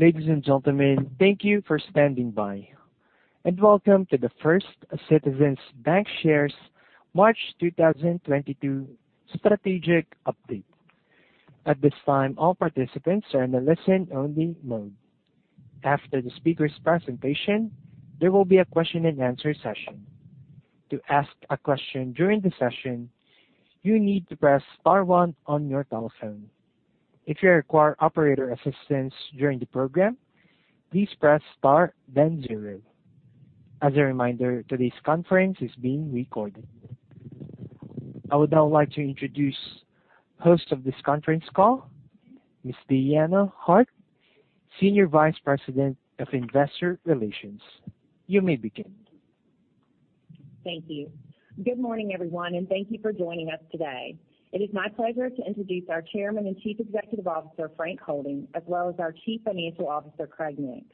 Ladies and gentlemen, thank you for standing by, and welcome to the First Citizens BancShares March 2022 Strategic Update. At this time, all participants are in a listen-only mode. After the speaker's presentation, there will be a question-and-answer session. To ask a question during the session, you need to press star one on your telephone. If you require operator assistance during the program, please press star then zero. As a reminder, today's conference is being recorded. I would now like to introduce the host of this conference call, Miss Deanna Hart, Senior Vice President of Investor Relations. You may begin. Thank you. Good morning, everyone, and thank you for joining us today. It is my pleasure to introduce our Chairman and Chief Executive Officer, Frank Holding, as well as our Chief Financial Officer, Craig Nix.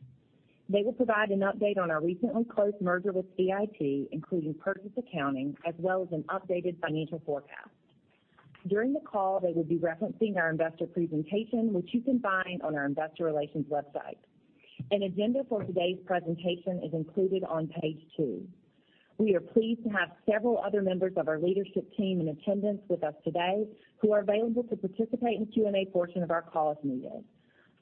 They will provide an update on our recently closed merger with CIT, including purchase accounting, as well as an updated financial forecast. During the call, they will be referencing our investor presentation, which you can find on our investor relations website. An agenda for today's presentation is included on page two. We are pleased to have several other members of our leadership team in attendance with us today who are available to participate in the Q&A portion of our call, as needed.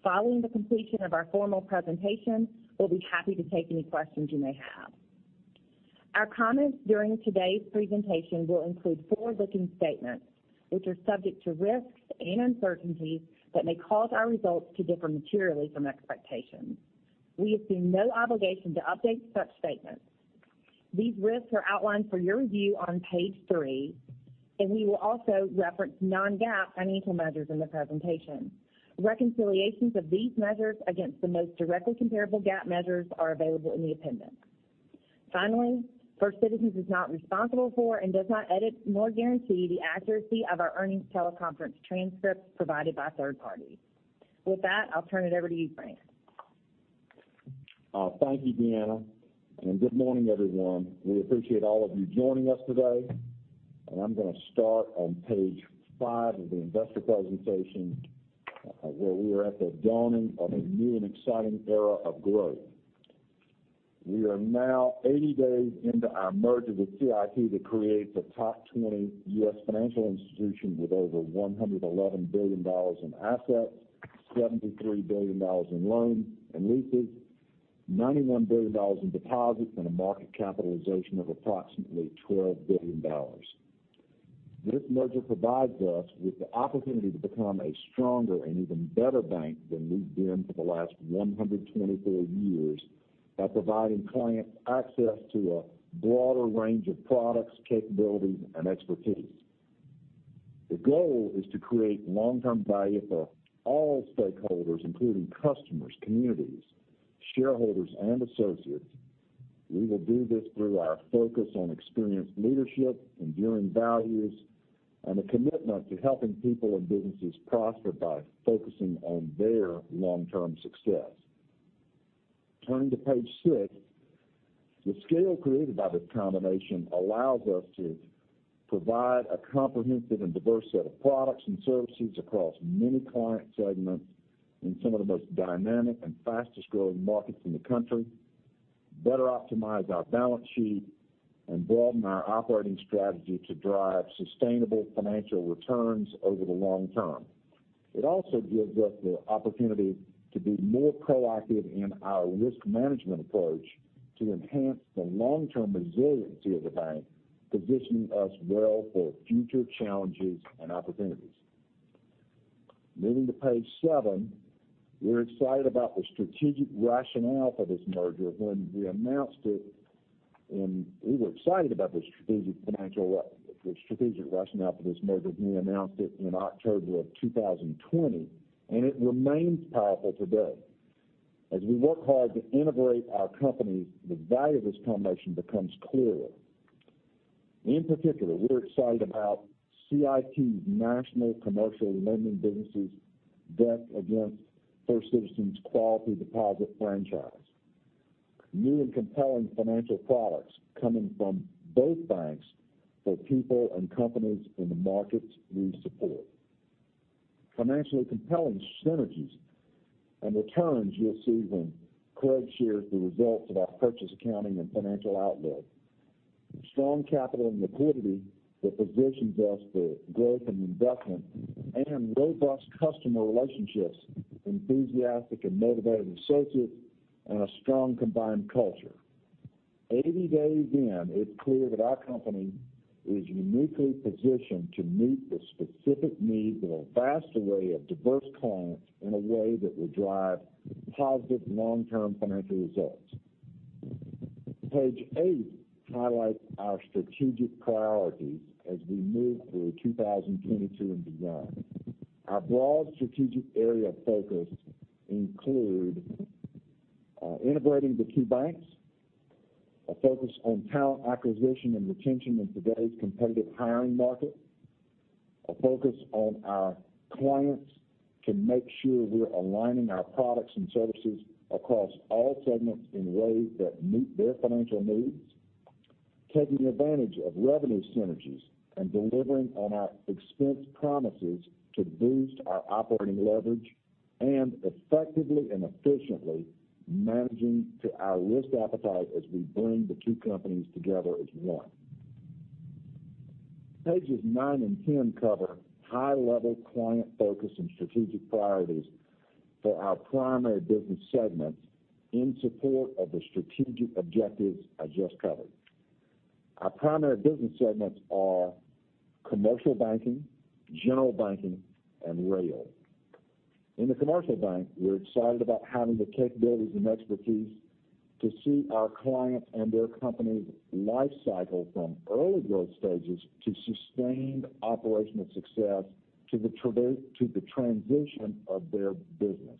Following the completion of our formal presentation, we'll be happy to take any questions you may have. Our comments during today's presentation will include forward-looking statements, which are subject to risks and uncertainties that may cause our results to differ materially from expectations. We assume no obligation to update such statements. These risks are outlined for your review on page three, and we will also reference non-GAAP financial measures in the presentation. Reconciliations of these measures against the most directly comparable GAAP measures are available in the appendix. Finally, First Citizens is not responsible for and does not edit nor guarantee the accuracy of our earnings teleconference transcripts provided by third parties. With that, I'll turn it over to you, Frank. Thank you, Deanna, and good morning, everyone. We appreciate all of you joining us today. I'm gonna start on page five of the investor presentation, where we are at the dawning of a new and exciting era of growth. We are now 80 days into our merger with CIT to create the top 20 U.S. financial institution with over $111 billion in assets, $73 billion in loans and leases, $91 billion in deposits, and a market capitalization of approximately $12 billion. This merger provides us with the opportunity to become a stronger and even better bank than we've been for the last 124 years, by providing clients access to a broader range of products, capabilities, and expertise. The goal is to create long-term value for all stakeholders, including customers, communities, shareholders, and associates. We will do this through our focus on experienced leadership, enduring values, and a commitment to helping people and businesses prosper by focusing on their long-term success. Turning to page six, the scale created by this combination allows us to provide a comprehensive and diverse set of products and services across many client segments in some of the most dynamic and fastest-growing markets in the country, better optimize our balance sheet, and broaden our operating strategy to drive sustainable financial returns over the long term. It also gives us the opportunity to be more proactive in our risk management approach to enhance the long-term resiliency of the bank, positioning us well for future challenges and opportunities. Moving to page seven, we're excited about the strategic rationale for this merger. When we announced it, and we were excited about the strategic rationale for this merger, we announced it in October of 2020, and it remains powerful today. As we work hard to integrate our companies, the value of this combination becomes clearer. In particular, we're excited about CIT's national commercial lending businesses, debt against First Citizens' quality deposit franchise. New and compelling financial products coming from both banks for people and companies in the markets we support. Financially compelling synergies and returns you'll see when Craig shares the results of our purchase accounting and financial outlook. Strong capital and liquidity that positions us for growth and investment, and robust customer relationships, enthusiastic and motivated associates, and a strong combined culture. 80 days in, it's clear that our company is uniquely positioned to meet the specific needs of a vast array of diverse clients in a way that will drive positive, long-term financial results. Page eight highlights our strategic priorities as we move through 2022 and beyond. Our broad strategic area of focus include integrating the two banks, a focus on talent acquisition and retention in today's competitive hiring market, a focus on our clients to make sure we're aligning our products and services across all segments in ways that meet their financial needs... taking advantage of revenue synergies and delivering on our expense promises to boost our operating leverage, and effectively and efficiently managing to our risk appetite as we bring the two companies together as one. Pages nine and 10 cover high-level client focus and strategic priorities for our primary business segments in support of the strategic objectives I just covered. Our primary business segments are commercial banking, general banking, and rail. In the commercial bank, we're excited about having the capabilities and expertise to see our clients and their companies' life cycle from early growth stages to sustained operational success, to the transition of their business.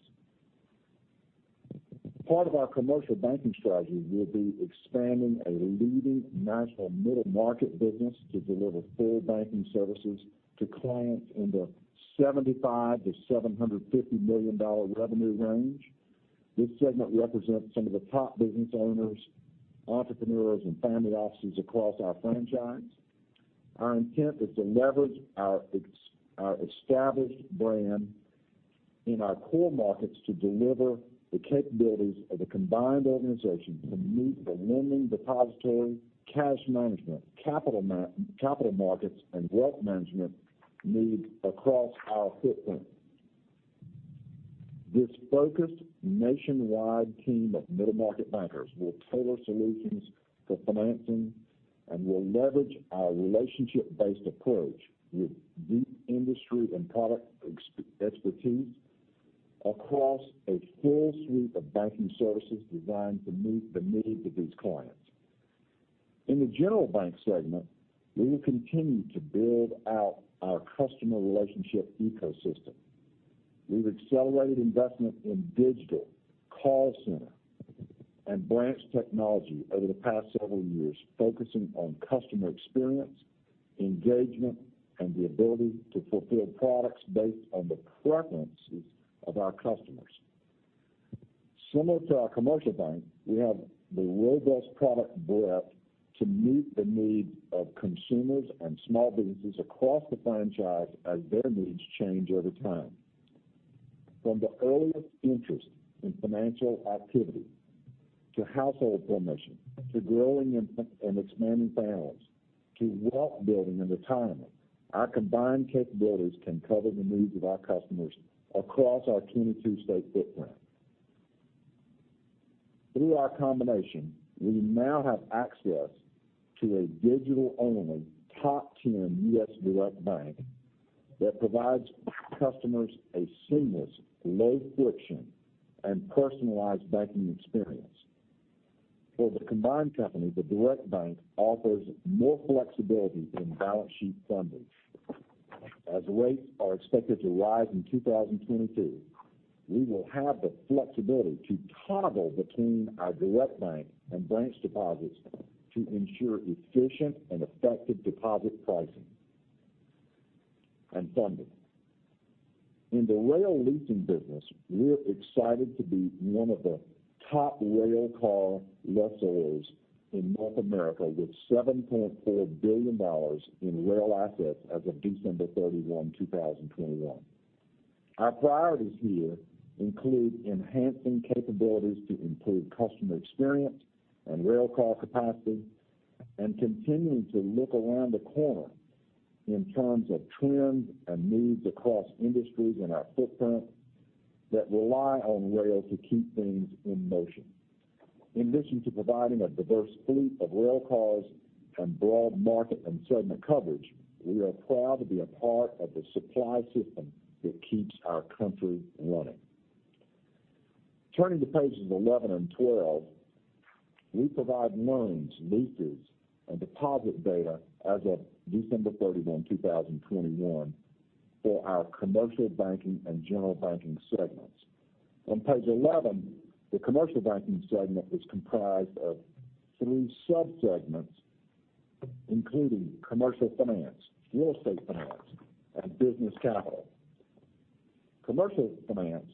Part of our commercial banking strategy will be expanding a leading national middle market business to deliver full banking services to clients in the $75 million-$750 million revenue range. This segment represents some of the top business owners, entrepreneurs, and family offices across our franchise. Our intent is to leverage our established brand in our core markets to deliver the capabilities of the combined organization to meet the lending, depository, cash management, capital markets, and wealth management needs across our footprint. This focused nationwide team of middle market bankers will tailor solutions for financing and will leverage our relationship-based approach with deep industry and product expertise across a full suite of banking services designed to meet the needs of these clients. In the general bank segment, we will continue to build out our customer relationship ecosystem. We've accelerated investment in digital, call center, and branch technology over the past several years, focusing on customer experience, engagement, and the ability to fulfill products based on the preferences of our customers. Similar to our commercial bank, we have the robust product breadth to meet the needs of consumers and small businesses across the franchise as their needs change over time. From the earliest interest in financial activity, to household formation, to growing and expanding families, to wealth building and retirement, our combined capabilities can cover the needs of our customers across our 22-state footprint. Through our combination, we now have access to a digital-only top 10 U.S. direct bank that provides customers a seamless, low friction, and personalized banking experience. For the combined company, the direct bank offers more flexibility in balance sheet funding. As rates are expected to rise in 2022, we will have the flexibility to toggle between our direct bank and branch deposits to ensure efficient and effective deposit pricing and funding. In the rail leasing business, we're excited to be one of the top rail car lessors in North America, with $7.4 billion in rail assets as of December 31, 2021. Our priorities here include enhancing capabilities to improve customer experience and rail car capacity, and continuing to look around the corner in terms of trends and needs across industries in our footprint that rely on rail to keep things in motion. In addition to providing a diverse fleet of rail cars and broad market and segment coverage, we are proud to be a part of the supply system that keeps our country running. Turning to pages 11 and 12, we provide loans, leases, and deposit data as of December 31, 2021 for our commercial banking and general banking segments. On page 11, the Commercial Banking segment is comprised of 3 sub-segments, including Commercial Finance, Real Estate Finance, and Business Capital. Commercial Finance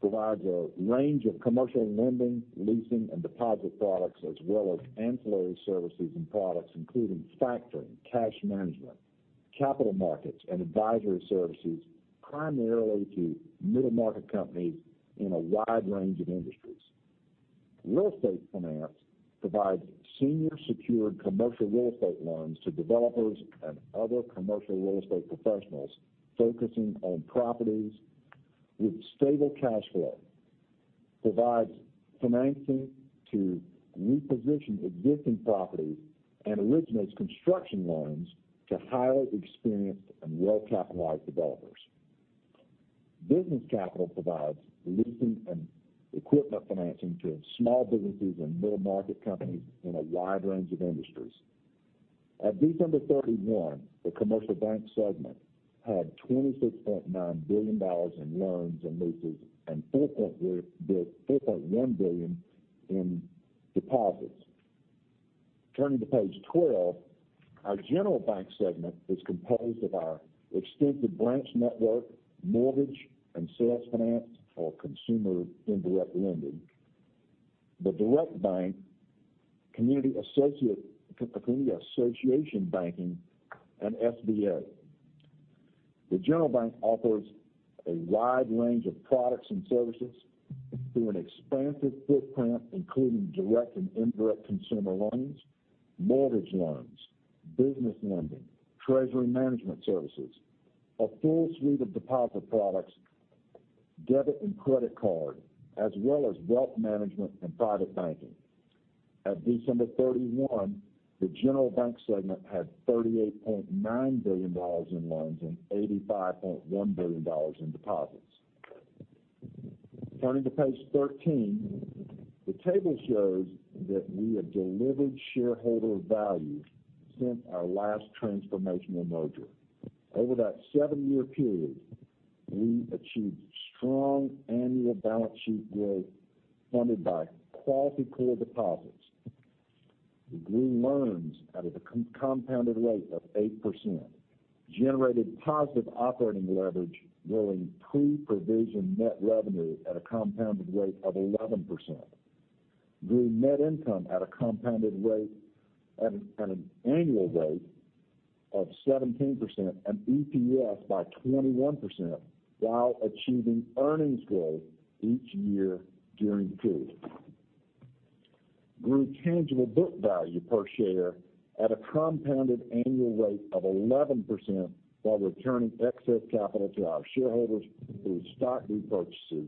provides a range of commercial lending, leasing, and deposit products, as well as ancillary services and products, including factoring, cash management, capital markets, and advisory services, primarily to middle-market companies in a wide range of industries. Real Estate Finance provides senior secured commercial real estate loans to developers and other commercial real estate professionals, focusing on properties with stable cash flow. Provides financing to reposition existing properties and originates construction loans to highly experienced and well-capitalized developers. Business Capital provides leasing and equipment financing to small businesses and middle-market companies in a wide range of industries. At December 31, the Commercial Banking segment had $26.9 billion in loans and leases and $4.1 billion in deposits. Turning to page 12-... Our general bank segment is composed of our extensive branch network, mortgage, and sales finance, or consumer indirect lending. The direct bank, community association banking, and SBA. The general bank offers a wide range of products and services through an expansive footprint, including direct and indirect consumer loans, mortgage loans, business lending, treasury management services, a full suite of deposit products, debit and credit card, as well as wealth management and private banking. At December 31, the general bank segment had $38.9 billion in loans and $85.1 billion in deposits. Turning to page 13, the table shows that we have delivered shareholder value since our last transformational merger. Over that seven-year period, we achieved strong annual balance sheet growth, funded by quality core deposits. We grew loans at a compounded rate of 8%, generated positive operating leverage, growing pre-provision net revenue at a compounded rate of 11%. Grew net income at a compounded rate at an annual rate of 17% and EPS by 21%, while achieving earnings growth each year during the period. Grew tangible book value per share at a compounded annual rate of 11% while returning excess capital to our shareholders through stock repurchases,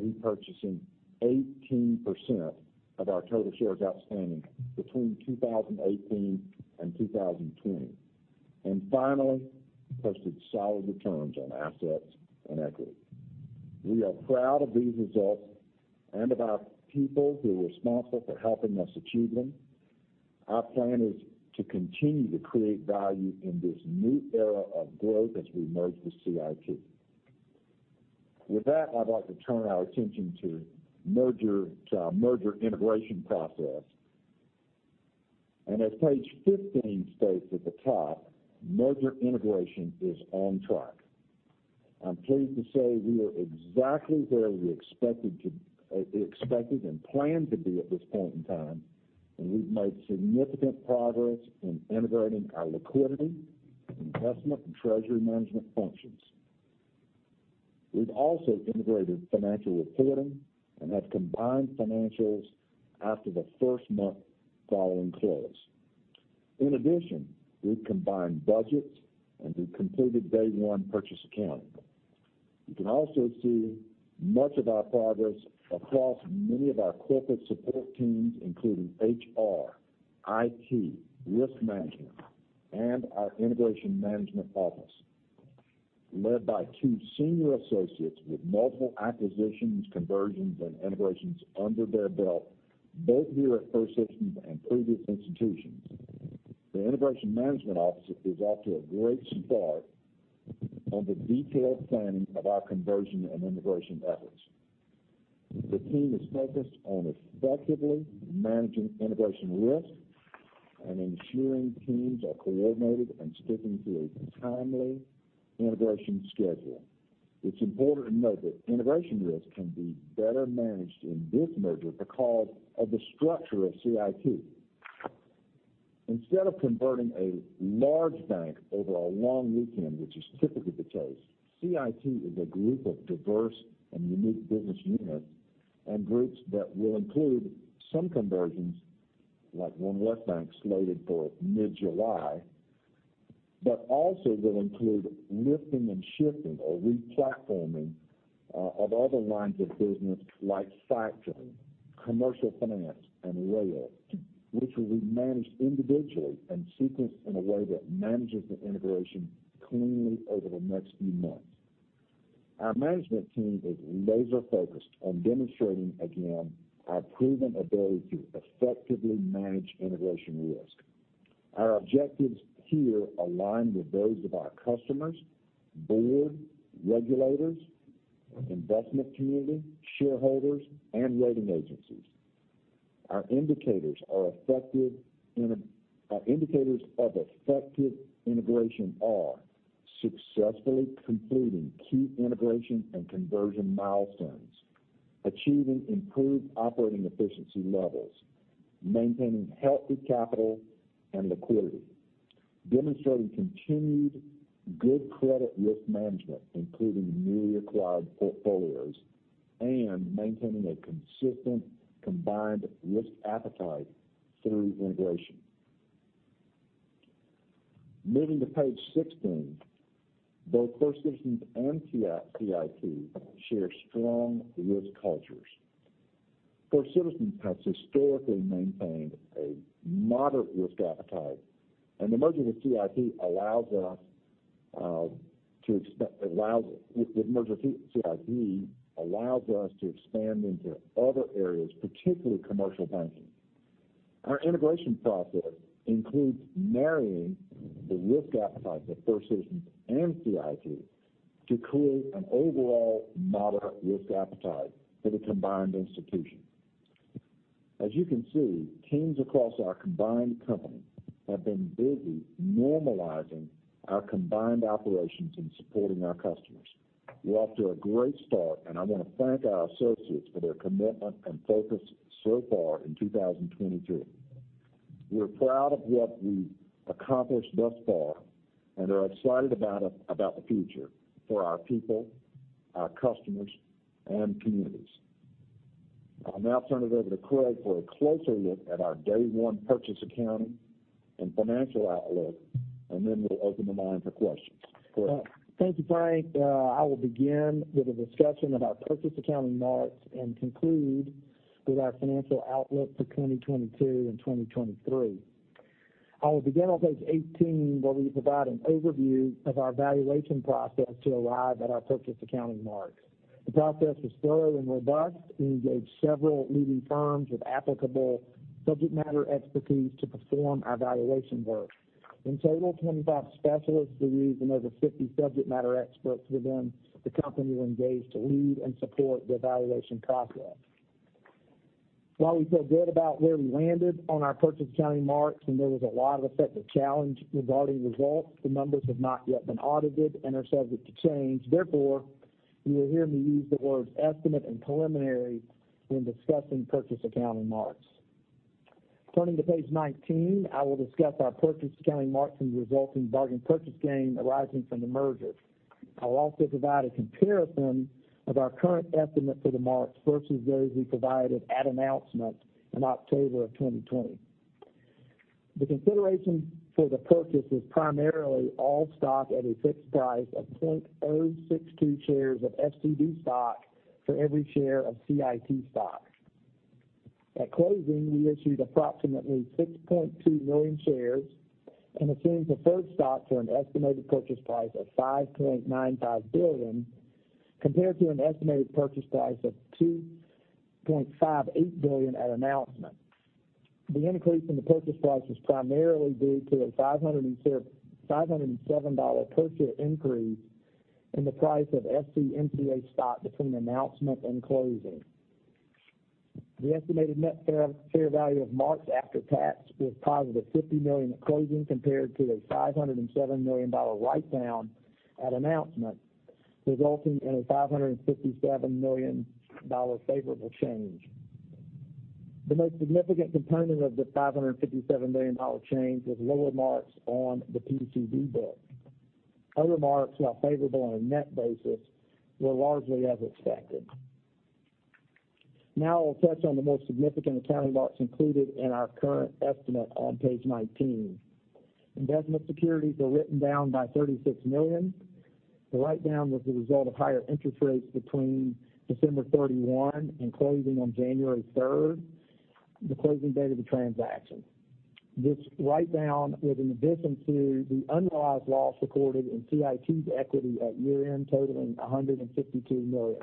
repurchasing 18% of our total shares outstanding between 2018 and 2020. Finally, posted solid returns on assets and equity. We are proud of these results and of our people who are responsible for helping us achieve them. Our plan is to continue to create value in this new era of growth as we merge with CIT. With that, I'd like to turn our attention to merger, to our merger integration process. As page 15 states at the top, merger integration is on track. I'm pleased to say we are exactly where we expected to expected and planned to be at this point in time, and we've made significant progress in integrating our liquidity, investment, and treasury management functions. We've also integrated financial reporting and have combined financials after the first month following close. In addition, we've combined budgets and we've completed day one purchase accounting. You can also see much of our progress across many of our corporate support teams, including HR, IT, risk management, and our integration management office. Led by two senior associates with multiple acquisitions, conversions, and integrations under their belt, both here at First Citizens and previous institutions. The integration management office is off to a great start on the detailed planning of our conversion and integration efforts. The team is focused on effectively managing integration risk and ensuring teams are coordinated and sticking to a timely integration schedule. It's important to note that integration risk can be better managed in this merger because of the structure of CIT. Instead of converting a large bank over a long weekend, which is typically the case, CIT is a group of diverse and unique business units and groups that will include some conversions, like OneWest Bank, slated for mid-July, but also will include lifting and shifting or replatforming, of other lines of business like factoring, commercial finance, and rail, which will be managed individually and sequenced in a way that manages the integration cleanly over the next few months. Our management team is laser-focused on demonstrating again, our proven ability to effectively manage integration risk. Our objectives here align with those of our customers, board, regulators, investment community, shareholders, and rating agencies. Our indicators of effective integration are successfully completing key integration and conversion milestones, achieving improved operating efficiency levels, maintaining healthy capital and liquidity, demonstrating continued good credit risk management, including the newly acquired portfolios, and maintaining a consistent combined risk appetite through integration. Moving to page 16, both First Citizens and CIT share strong risk cultures. First Citizens has historically maintained a moderate risk appetite, and the merger with CIT allows us to expand into other areas, particularly commercial banking. Our integration process includes marrying the risk appetite of First Citizens and CIT to create an overall moderate risk appetite for the combined institution. As you can see, teams across our combined company have been busy normalizing our combined operations and supporting our customers. We're off to a great start, and I want to thank our associates for their commitment and focus so far in 2023. We're proud of what we've accomplished thus far, and are excited about the future for our people, our customers, and communities. I'll now turn it over to Craig for a closer look at our day one purchase accounting and financial outlook, and then we'll open the line for questions. Craig? Thank you, Frank. I will begin with a discussion of our purchase accounting marks and conclude with our financial outlook for 2022 and 2023. I will begin on page 18, where we provide an overview of our valuation process to arrive at our purchase accounting marks. The process was thorough and robust. We engaged several leading firms with applicable subject matter expertise to perform our valuation work. In total, 25 specialists were used and over 50 subject matter experts within the company were engaged to lead and support the valuation process. While we feel good about where we landed on our purchase accounting marks, and there was a lot of effective challenge regarding results, the numbers have not yet been audited and are subject to change. Therefore, you will hear me use the words estimate and preliminary when discussing purchase accounting marks. Turning to page 19, I will discuss our purchase accounting marks and resulting bargain purchase gain arising from the merger. I'll also provide a comparison of our current estimate for the marks versus those we provided at announcement in October 2020. The consideration for the purchase is primarily all stock at a fixed price of 0.062 shares of FCNCA stock for every share of CIT stock. At closing, we issued approximately 6.2 million shares and assumed the CIT stock for an estimated purchase price of $5.95 billion, compared to an estimated purchase price of $2.58 billion at announcement. The increase in the purchase price was primarily due to a $507 per share increase in the price of FCNCA stock between announcement and closing. The estimated net fair value of marks after tax was positive $50 million at closing, compared to a $507 million write-down at announcement, resulting in a $557 million favorable change. The most significant component of the $557 million change was lower marks on the PCD book. Other marks, while favorable on a net basis, were largely as expected. Now I'll touch on the most significant accounting marks included in our current estimate on page 19. Investment securities were written down by $36 million. The write-down was the result of higher interest rates between December 31 and closing on January 3, the closing date of the transaction. This write-down was in addition to the unrealized loss recorded in CIT's equity at year-end, totaling a $152 million.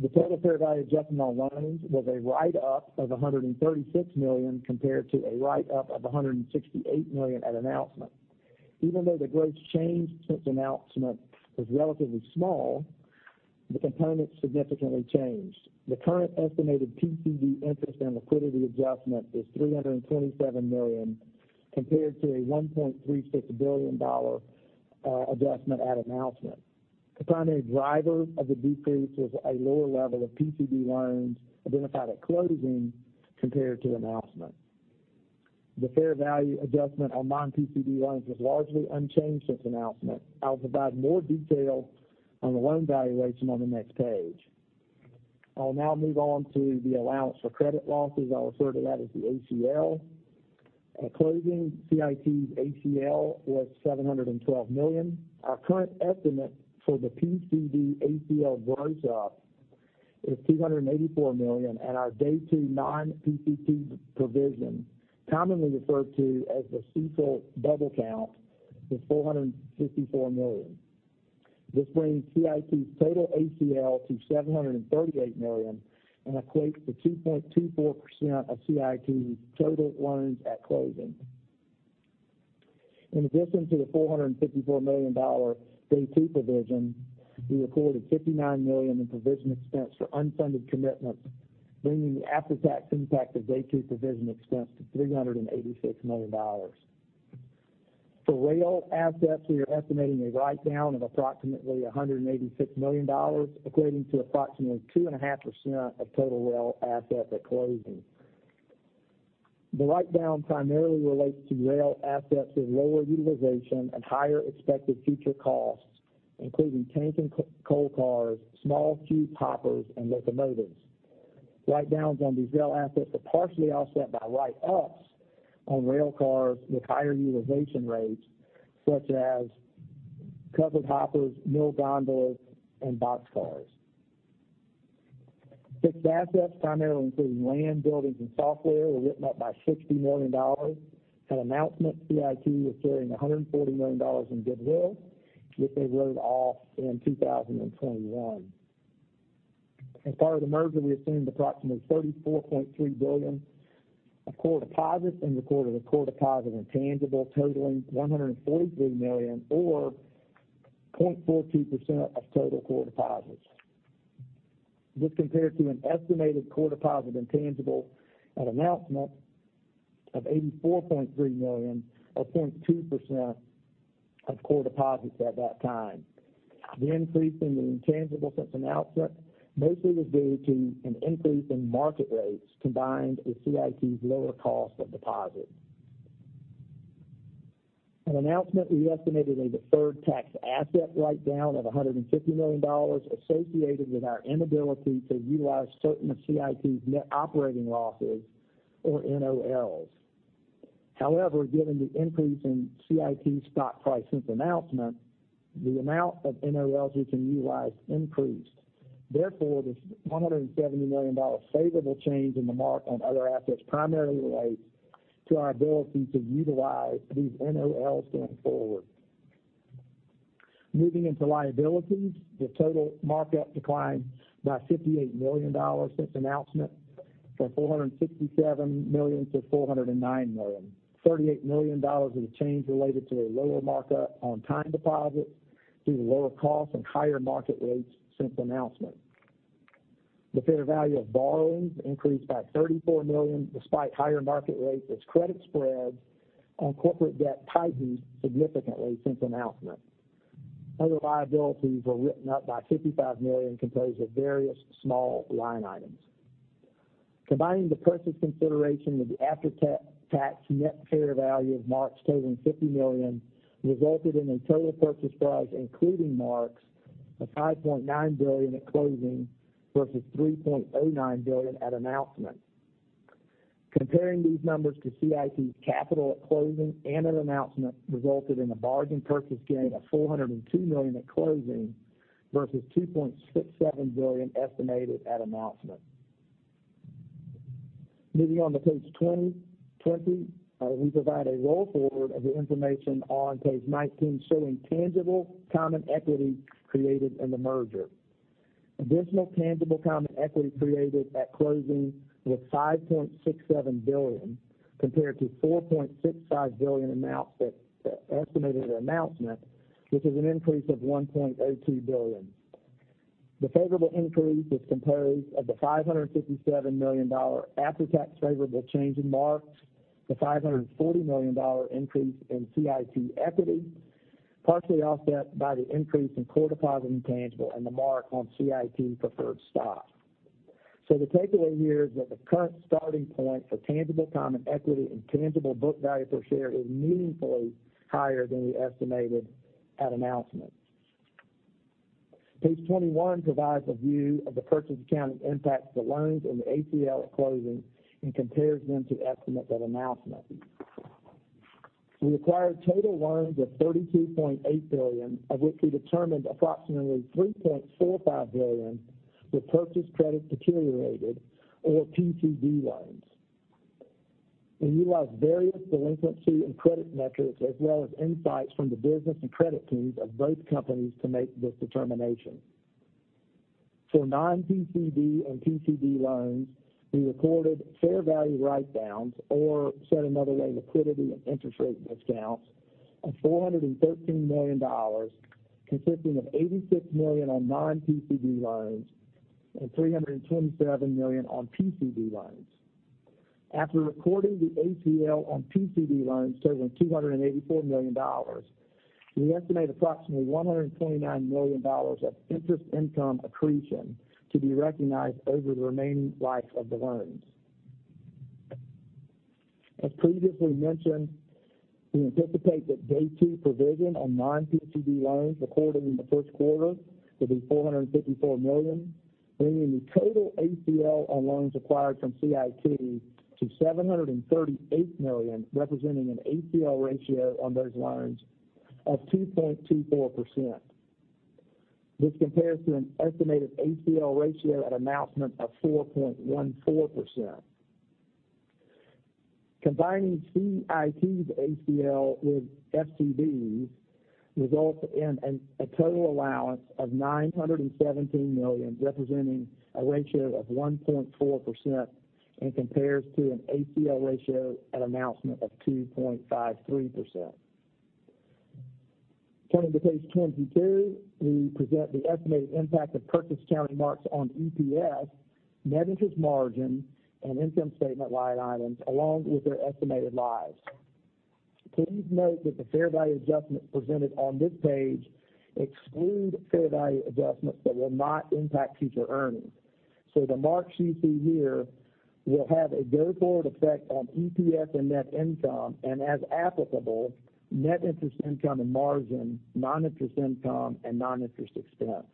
The total fair value adjustment on loans was a write-up of $136 million, compared to a write-up of $168 million at announcement. Even though the gross change since announcement was relatively small, the components significantly changed. The current estimated PCD interest and liquidity adjustment is $327 million, compared to a $1.36 billion adjustment at announcement. The primary driver of the decrease was a lower level of PCD loans identified at closing compared to announcement. The fair value adjustment on non-PCD loans was largely unchanged since announcement. I'll provide more detail on the loan valuation on the next page. I'll now move on to the allowance for credit losses. I'll refer to that as the ACL. At closing, CIT's ACL was $712 million. Our current estimate for the PCD ACL write-up is $284 million, and our day two non-PCD provision, commonly referred to as the CECL double count, is $454 million. This brings CIT's total ACL to $738 million and equates to 2.24% of CIT's total loans at closing. In addition to the $454 million dollar day two provision, we recorded $59 million in provision expense for unfunded commitments, bringing the after-tax impact of day two provision expense to $386 million dollars. For rail assets, we are estimating a write-down of approximately $186 million dollars, equating to approximately 2.5% of total rail assets at closing. The write-down primarily relates to rail assets with lower utilization and higher expected future costs, including tank and coal cars, small cube hoppers, and locomotives. Write-downs on these rail assets are partially offset by write-ups on rail cars with higher utilization rates, such as covered hoppers, mill gondolas, and boxcars. Fixed assets, primarily including land, buildings and software, were written up by $60 million. At announcement, CIT was carrying $140 million in goodwill, which they wrote off in 2021. As part of the merger, we assumed approximately $34.3 billion of core deposits and recorded a core deposit intangible totaling $143 million, or 0.42% of total core deposits. This compares to an estimated core deposit intangible at announcement of $84.3 million, or 0.2% of core deposits at that time. The increase in the intangible since announcement mostly was due to an increase in market rates, combined with CIT's lower cost of deposit. At announcement, we estimated a deferred tax asset write-down of $150 million associated with our inability to utilize certain of CIT's net operating losses, or NOLs. However, given the increase in CIT's stock price since announcement, the amount of NOLs we can utilize increased. Therefore, this $170 million favorable change in the mark on other assets primarily relates to our ability to utilize these NOLs going forward. Moving into liabilities, the total mark-up declined by $58 million since announcement, from $467 million to $409 million. $38 million of the change related to a lower mark-up on time deposits due to lower costs and higher market rates since announcement. The fair value of borrowings increased by $34 million, despite higher market rates, as credit spreads on corporate debt tightened significantly since announcement. Other liabilities were written up by $55 million, composed of various small line items. Combining the purchase consideration with the after-tax net fair value of marks totaling $50 million, resulted in a total purchase price, including marks, of $5.9 billion at closing, versus $3.09 billion at announcement. Comparing these numbers to CIT's capital at closing and at announcement, resulted in a bargain purchase gain of $402 million at closing, versus $2.67 billion estimated at announcement. Moving on to page 20, we provide a roll forward of the information on page 19, showing tangible common equity created in the merger. Additional tangible common equity created at closing was $5.67 billion, compared to $4.65 billion announced at estimated announcement, which is an increase of $1.02 billion. The favorable increase is composed of the $557 million after-tax favorable change in marks, the $540 million increase in CIT equity, partially offset by the increase in core deposit intangible and the mark on CIT preferred stock. So the takeaway here is that the current starting point for tangible common equity and tangible book value per share is meaningfully higher than we estimated at announcement. Page 21 provides a view of the purchase accounting impact to loans and the ACL at closing, and compares them to the estimate at announcement. We acquired total loans of $32.8 billion, of which we determined approximately $3.45 billion were purchase credit deteriorated, or PCD loans. We utilized various delinquency and credit metrics, as well as insights from the business and credit teams of both companies, to make this determination. For non-PCD and PCD loans, we recorded fair value write-downs, or said another way, liquidity and interest rate discounts of $413 million, consisting of $86 million on non-PCD loans and $327 million on PCD loans. After recording the ACL on PCD loans totaling $284 million, we estimate approximately $129 million of interest income accretion to be recognized over the remaining life of the loans. As previously mentioned, we anticipate that day two provision on non-PCD loans recorded in the first quarter will be $454 million, bringing the total ACL on loans acquired from CIT to $738 million, representing an ACL ratio on those loans of 2.24%. This compares to an estimated ACL ratio at announcement of 4.14%. Combining CIT's ACL with FCB's results in a total allowance of $917 million, representing a ratio of 1.4%, and compares to an ACL ratio at announcement of 2.53%. Turning to page 22, we present the estimated impact of purchase accounting marks on EPS, net interest margin, and income statement line items, along with their estimated lives. Please note that the fair value adjustment presented on this page excludes fair value adjustments that will not impact future earnings. So the marks you see here will have a go-forward effect on EPS and net income, and as applicable, net interest income and margin, non-interest income, and non-interest expense.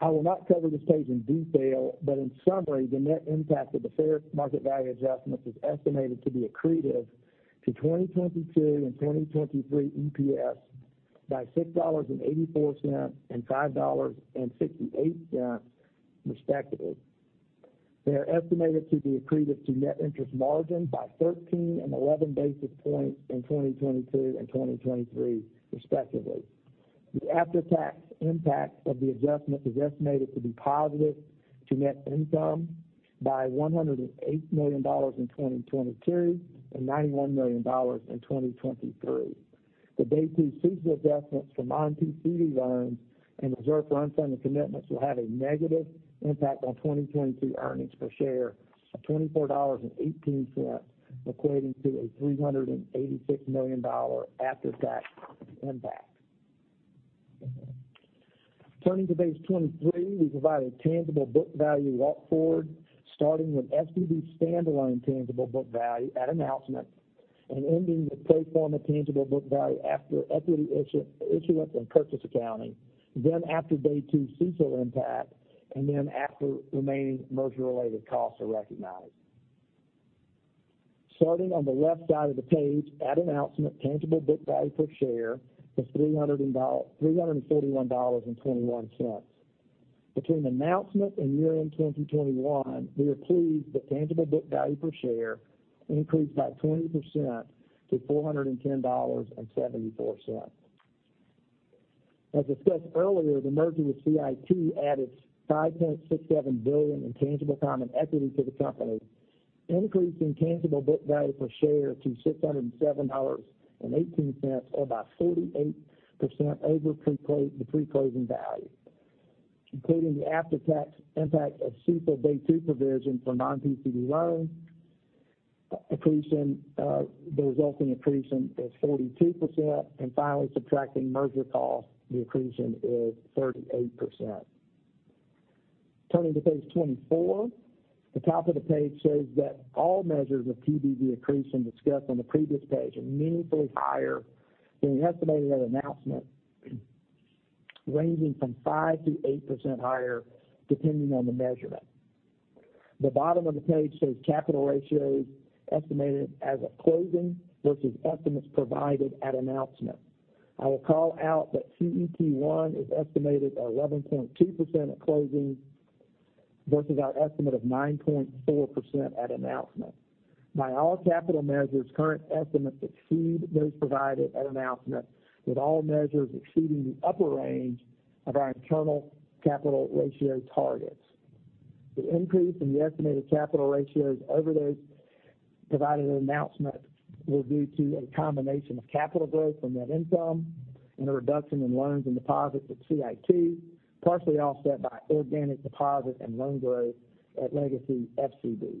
I will not cover this page in detail, but in summary, the net impact of the fair market value adjustments is estimated to be accretive to 2022 and 2023 EPS by $6.84 and $5.68, respectively. They are estimated to be accretive to net interest margin by 13 and 11 basis points in 2022 and 2023 respectively. The after-tax impact of the adjustment is estimated to be positive to net income by $108 million in 2022, and $91 million in 2023. The Day Two CECL adjustments from non-PCD loans and reserve for unfunded commitments will have a negative impact on 2022 earnings per share of $24.18, equating to a $386 million after-tax impact. Turning to page 23, we provide a tangible book value walk forward, starting with FCB's standalone tangible book value at announcement, and ending with pro forma tangible book value after equity issuance and purchase accounting, then after Day Two CECL impact, and then after remaining merger-related costs are recognized. Starting on the left side of the page, at announcement, tangible book value per share was $341.21. Between announcement and year-end 2021, we are pleased that tangible book value per share increased by 20% to $410.74. As discussed earlier, the merger with CIT added $5.67 billion in tangible common equity to the company, increasing tangible book value per share to $607.18, or by 48% over the pre-closing value. Including the after-tax impact of CECL Day Two provision for non-PCD loans, accretion, the resulting accretion is 42%, and finally, subtracting merger costs, the accretion is 38%. Turning to page 24, the top of the page shows that all measures of TBV accretion discussed on the previous page are meaningfully higher than we estimated at announcement, ranging from 5%-8% higher, depending on the measurement. The bottom of the page shows capital ratios estimated as of closing versus estimates provided at announcement. I will call out that CET1 is estimated at 11.2% at closing, versus our estimate of 9.4% at announcement. By all capital measures, current estimates exceed those provided at announcement, with all measures exceeding the upper range of our internal capital ratio targets. The increase in the estimated capital ratios over those provided at announcement was due to a combination of capital growth from net income and a reduction in loans and deposits at CIT, partially offset by organic deposit and loan growth at legacy FCB.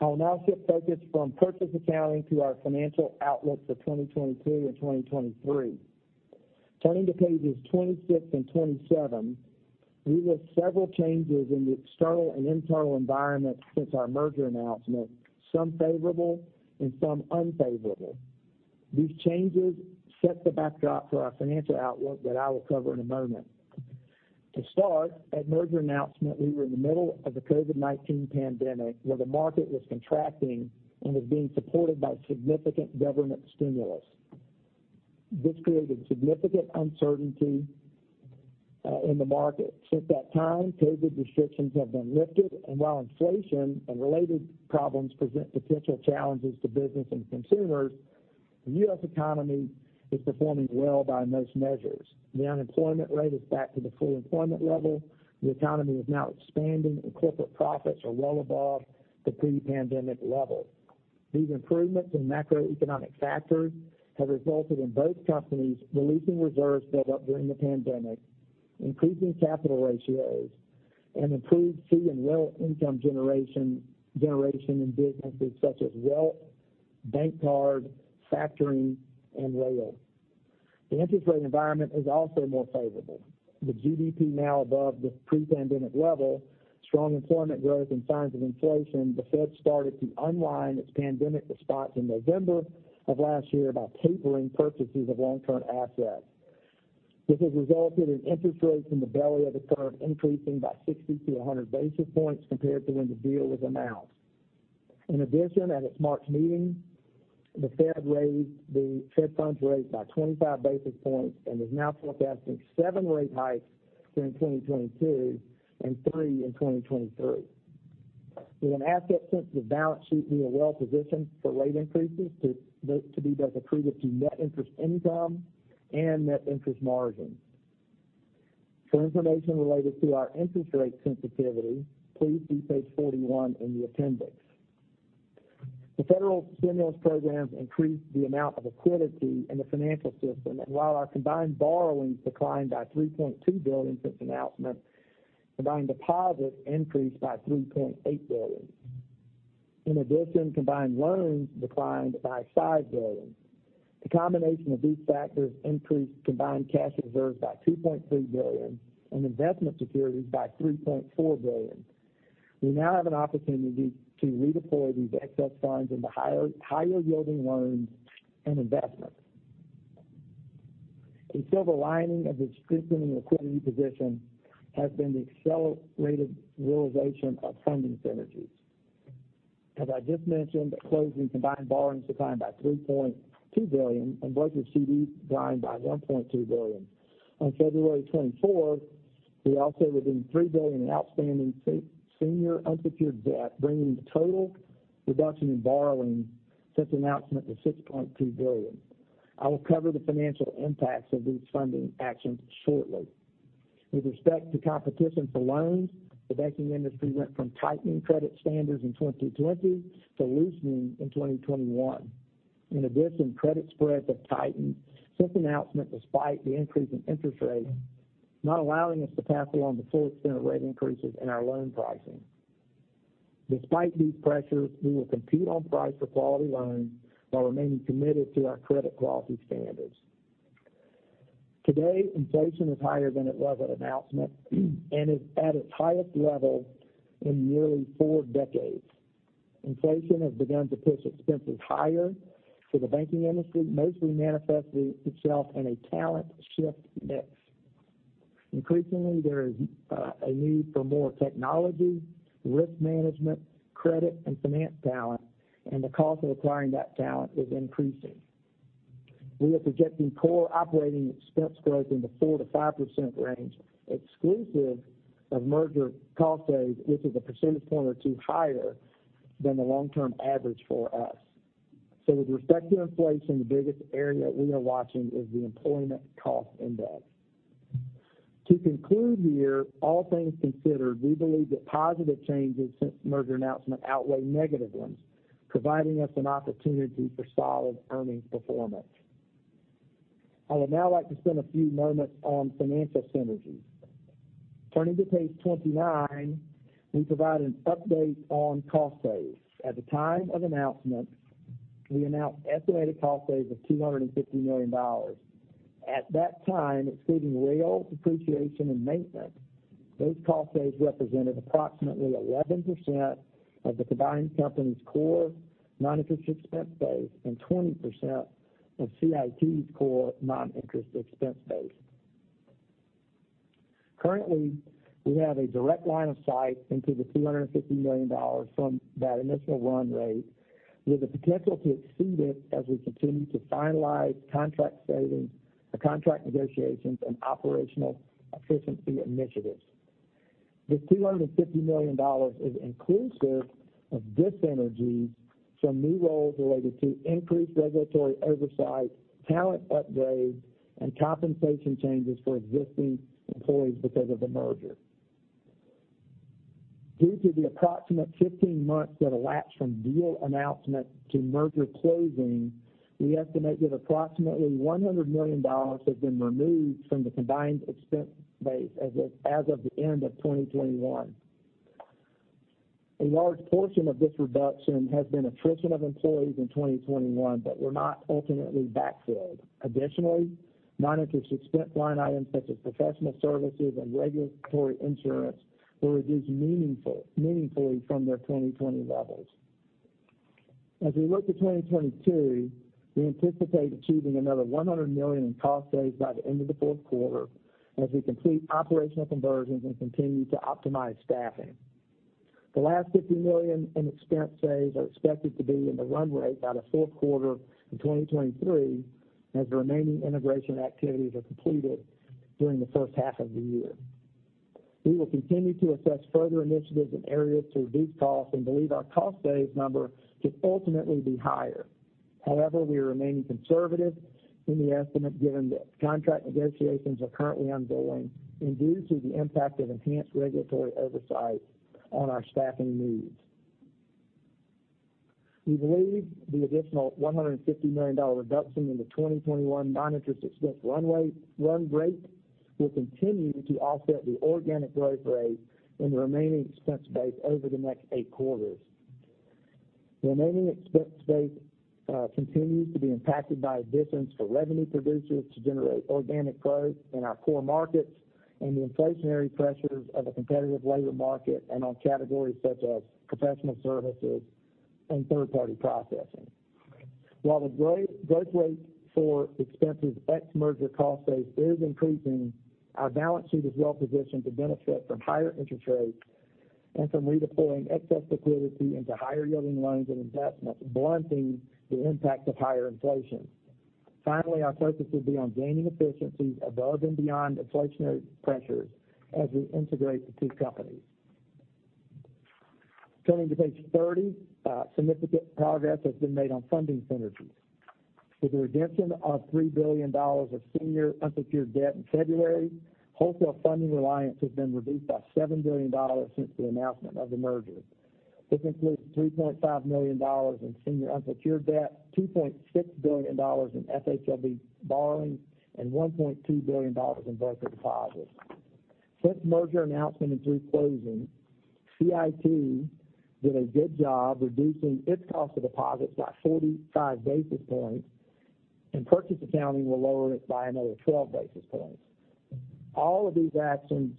I will now shift focus from purchase accounting to our financial outlook for 2022 and 2023. Turning to pages 26 and 27, we list several changes in the external and internal environment since our merger announcement, some favorable and some unfavorable. These changes set the backdrop for our financial outlook that I will cover in a moment. To start, at merger announcement, we were in the middle of the COVID-19 pandemic, where the market was contracting and was being supported by significant government stimulus. This created significant uncertainty in the market. Since that time, COVID restrictions have been lifted, and while inflation and related problems present potential challenges to business and consumers, the U.S. economy is performing well by most measures. The unemployment rate is back to the full employment level, the economy is now expanding, and corporate profits are well above the pre-pandemic level. These improvements in macroeconomic factors have resulted in both companies releasing reserves built up during the pandemic, increasing capital ratios, and improved fee and loan income generation in businesses such as wealth, bank card, factoring, and rail. The interest rate environment is also more favorable. With GDP now above the pre-pandemic level, strong employment growth and signs of inflation, the Fed started to unwind its pandemic response in November of last year by tapering purchases of long-term assets. This has resulted in interest rates in the belly of the curve increasing by 60 to 100 basis points compared to when the deal was announced. In addition, at its March meeting, the Fed raised the Fed funds rate by 25 basis points and is now forecasting 7 rate hikes in 2022, and 3 in 2023. With an asset-sensitive balance sheet, we are well positioned for rate increases to be both accretive to net interest income and net interest margin. For information related to our interest rate sensitivity, please see page 41 in the appendix. The federal stimulus programs increased the amount of liquidity in the financial system, and while our combined borrowings declined by $3.2 billion since announcement, combined deposits increased by $3.8 billion. In addition, combined loans declined by $5 billion. The combination of these factors increased combined cash reserves by $2.3 billion and investment securities by $3.4 billion. We now have an opportunity to redeploy these excess funds into higher, higher-yielding loans and investments. A silver lining of the strengthening liquidity position has been the accelerated realization of funding synergies. As I just mentioned, at closing, combined borrowings declined by $3.2 billion, and broker CDs declined by $1.2 billion. On February 24, we also redeemed $3 billion in outstanding senior unsecured debt, bringing the total reduction in borrowing since announcement to $6.2 billion. I will cover the financial impacts of these funding actions shortly. With respect to competition for loans, the banking industry went from tightening credit standards in 2020 to loosening in 2021. In addition, credit spreads have tightened since announcement, despite the increase in interest rates, not allowing us to pass along the full extent of rate increases in our loan pricing. Despite these pressures, we will compete on price for quality loans while remaining committed to our credit quality standards. Today, inflation is higher than it was at announcement and is at its highest level in nearly four decades. Inflation has begun to push expenses higher for the banking industry, mostly manifesting itself in a talent shift mix. Increasingly, there is a need for more technology, risk management, credit, and finance talent, and the cost of acquiring that talent is increasing. We are projecting core operating expense growth in the 4%-5% range, exclusive of merger cost saves, which is a percentage point or two higher than the long-term average for us. So with respect to inflation, the biggest area we are watching is the Employment Cost Index. To conclude here, all things considered, we believe that positive changes since merger announcement outweigh negative ones, providing us an opportunity for solid earnings performance. I would now like to spend a few moments on financial synergies. Turning to page 29, we provide an update on cost saves. At the time of announcement, we announced estimated cost saves of $250 million. At that time, excluding wages, depreciation, and maintenance, those cost saves represented approximately 11% of the combined company's core non-interest expense base, and 20% of CIT's core non-interest expense base. Currently, we have a direct line of sight into the $250 million from that initial run rate, with the potential to exceed it as we continue to finalize contract savings, or contract negotiations and operational efficiency initiatives. This $250 million is inclusive of dis-synergies from new roles related to increased regulatory oversight, talent upgrades, and compensation changes for existing employees because of the merger. Due to the approximate 15 months that elapsed from deal announcement to merger closing, we estimate that approximately $100 million have been removed from the combined expense base as of the end of 2021. A large portion of this reduction has been attrition of employees in 2021, that were not ultimately backfilled. Additionally, non-interest expense line items such as professional services and regulatory insurance reduced meaningfully from their 2020 levels. As we look to 2022, we anticipate achieving another $100 million in cost saves by the end of the fourth quarter, as we complete operational conversions and continue to optimize staffing. The last $50 million in expense saves are expected to be in the run rate by the fourth quarter in 2023, as the remaining integration activities are completed during the first half of the year. We will continue to assess further initiatives and areas to reduce costs and believe our cost saves number could ultimately be higher. However, we are remaining conservative in the estimate, given that contract negotiations are currently ongoing and due to the impact of enhanced regulatory oversight on our staffing needs. We believe the additional $150 million reduction in the 2021 non-interest expense run rate will continue to offset the organic growth rate in the remaining expense base over the next 8 quarters. The remaining expense base continues to be impacted by a difference for revenue producers to generate organic growth in our core markets and the inflationary pressures of a competitive labor market, and on categories such as professional services and third-party processing. While the growth rate for expenses ex merger cost base is increasing, our balance sheet is well positioned to benefit from higher interest rates and from redeploying excess liquidity into higher yielding loans and investments, blunting the impact of higher inflation. Finally, our focus will be on gaining efficiencies above and beyond inflationary pressures as we integrate the two companies. Turning to page 30, significant progress has been made on funding synergies. With the redemption of $3 billion of senior unsecured debt in February, wholesale funding reliance has been reduced by $7 billion since the announcement of the merger. This includes $3.5 million in senior unsecured debt, $2.6 billion in FHLB borrowing, and $1.2 billion in broker deposits. Since merger announcement and through closing, CIT did a good job reducing its cost of deposits by 45 basis points, and purchase accounting will lower it by another 12 basis points. All of these actions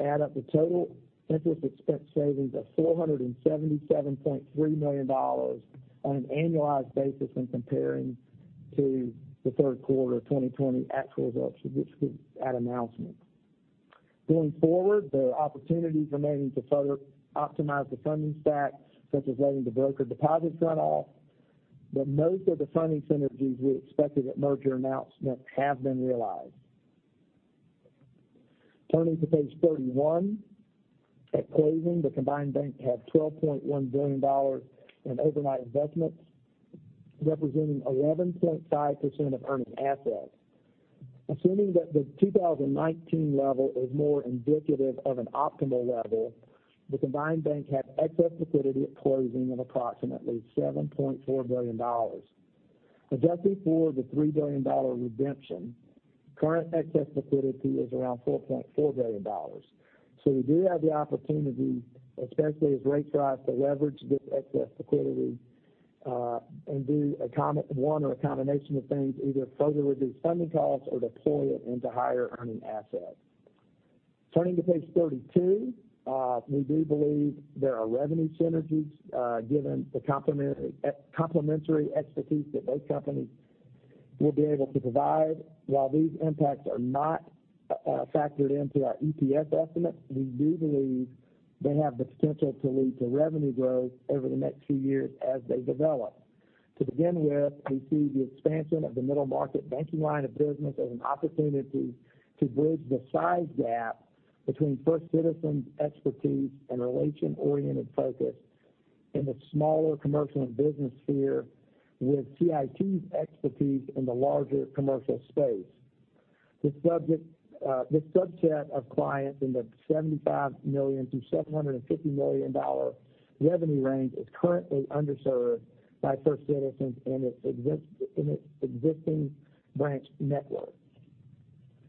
add up to total interest expense savings of $477.3 million on an annualized basis when comparing to the third quarter of 2020 actual results, which was at announcement. Going forward, there are opportunities remaining to further optimize the funding stack, such as letting the broker deposits run off, but most of the funding synergies we expected at merger announcement have been realized. Turning to page 31, at closing, the combined bank had $12.1 billion in overnight investments, representing 11.5% of earning assets. Assuming that the 2019 level is more indicative of an optimal level, the combined bank had excess liquidity at closing of approximately $7.4 billion. Adjusting for the $3 billion dollar redemption, current excess liquidity is around $4.4 billion. So we do have the opportunity, especially as rates rise, to leverage this excess liquidity, and do one or a combination of things, either further reduce funding costs or deploy it into higher earning assets. Turning to page 32, we do believe there are revenue synergies, given the complementary expertise that both companies will be able to provide. While these impacts are not factored into our EPS estimate, we do believe they have the potential to lead to revenue growth over the next few years as they develop. To begin with, we see the expansion of the middle market banking line of business as an opportunity to bridge the size gap between First Citizens' expertise and relation-oriented focus in the smaller commercial and business sphere, with CIT's expertise in the larger commercial space. The subset of clients in the $75 million-$750 million revenue range is currently underserved by First Citizens in its existing branch network.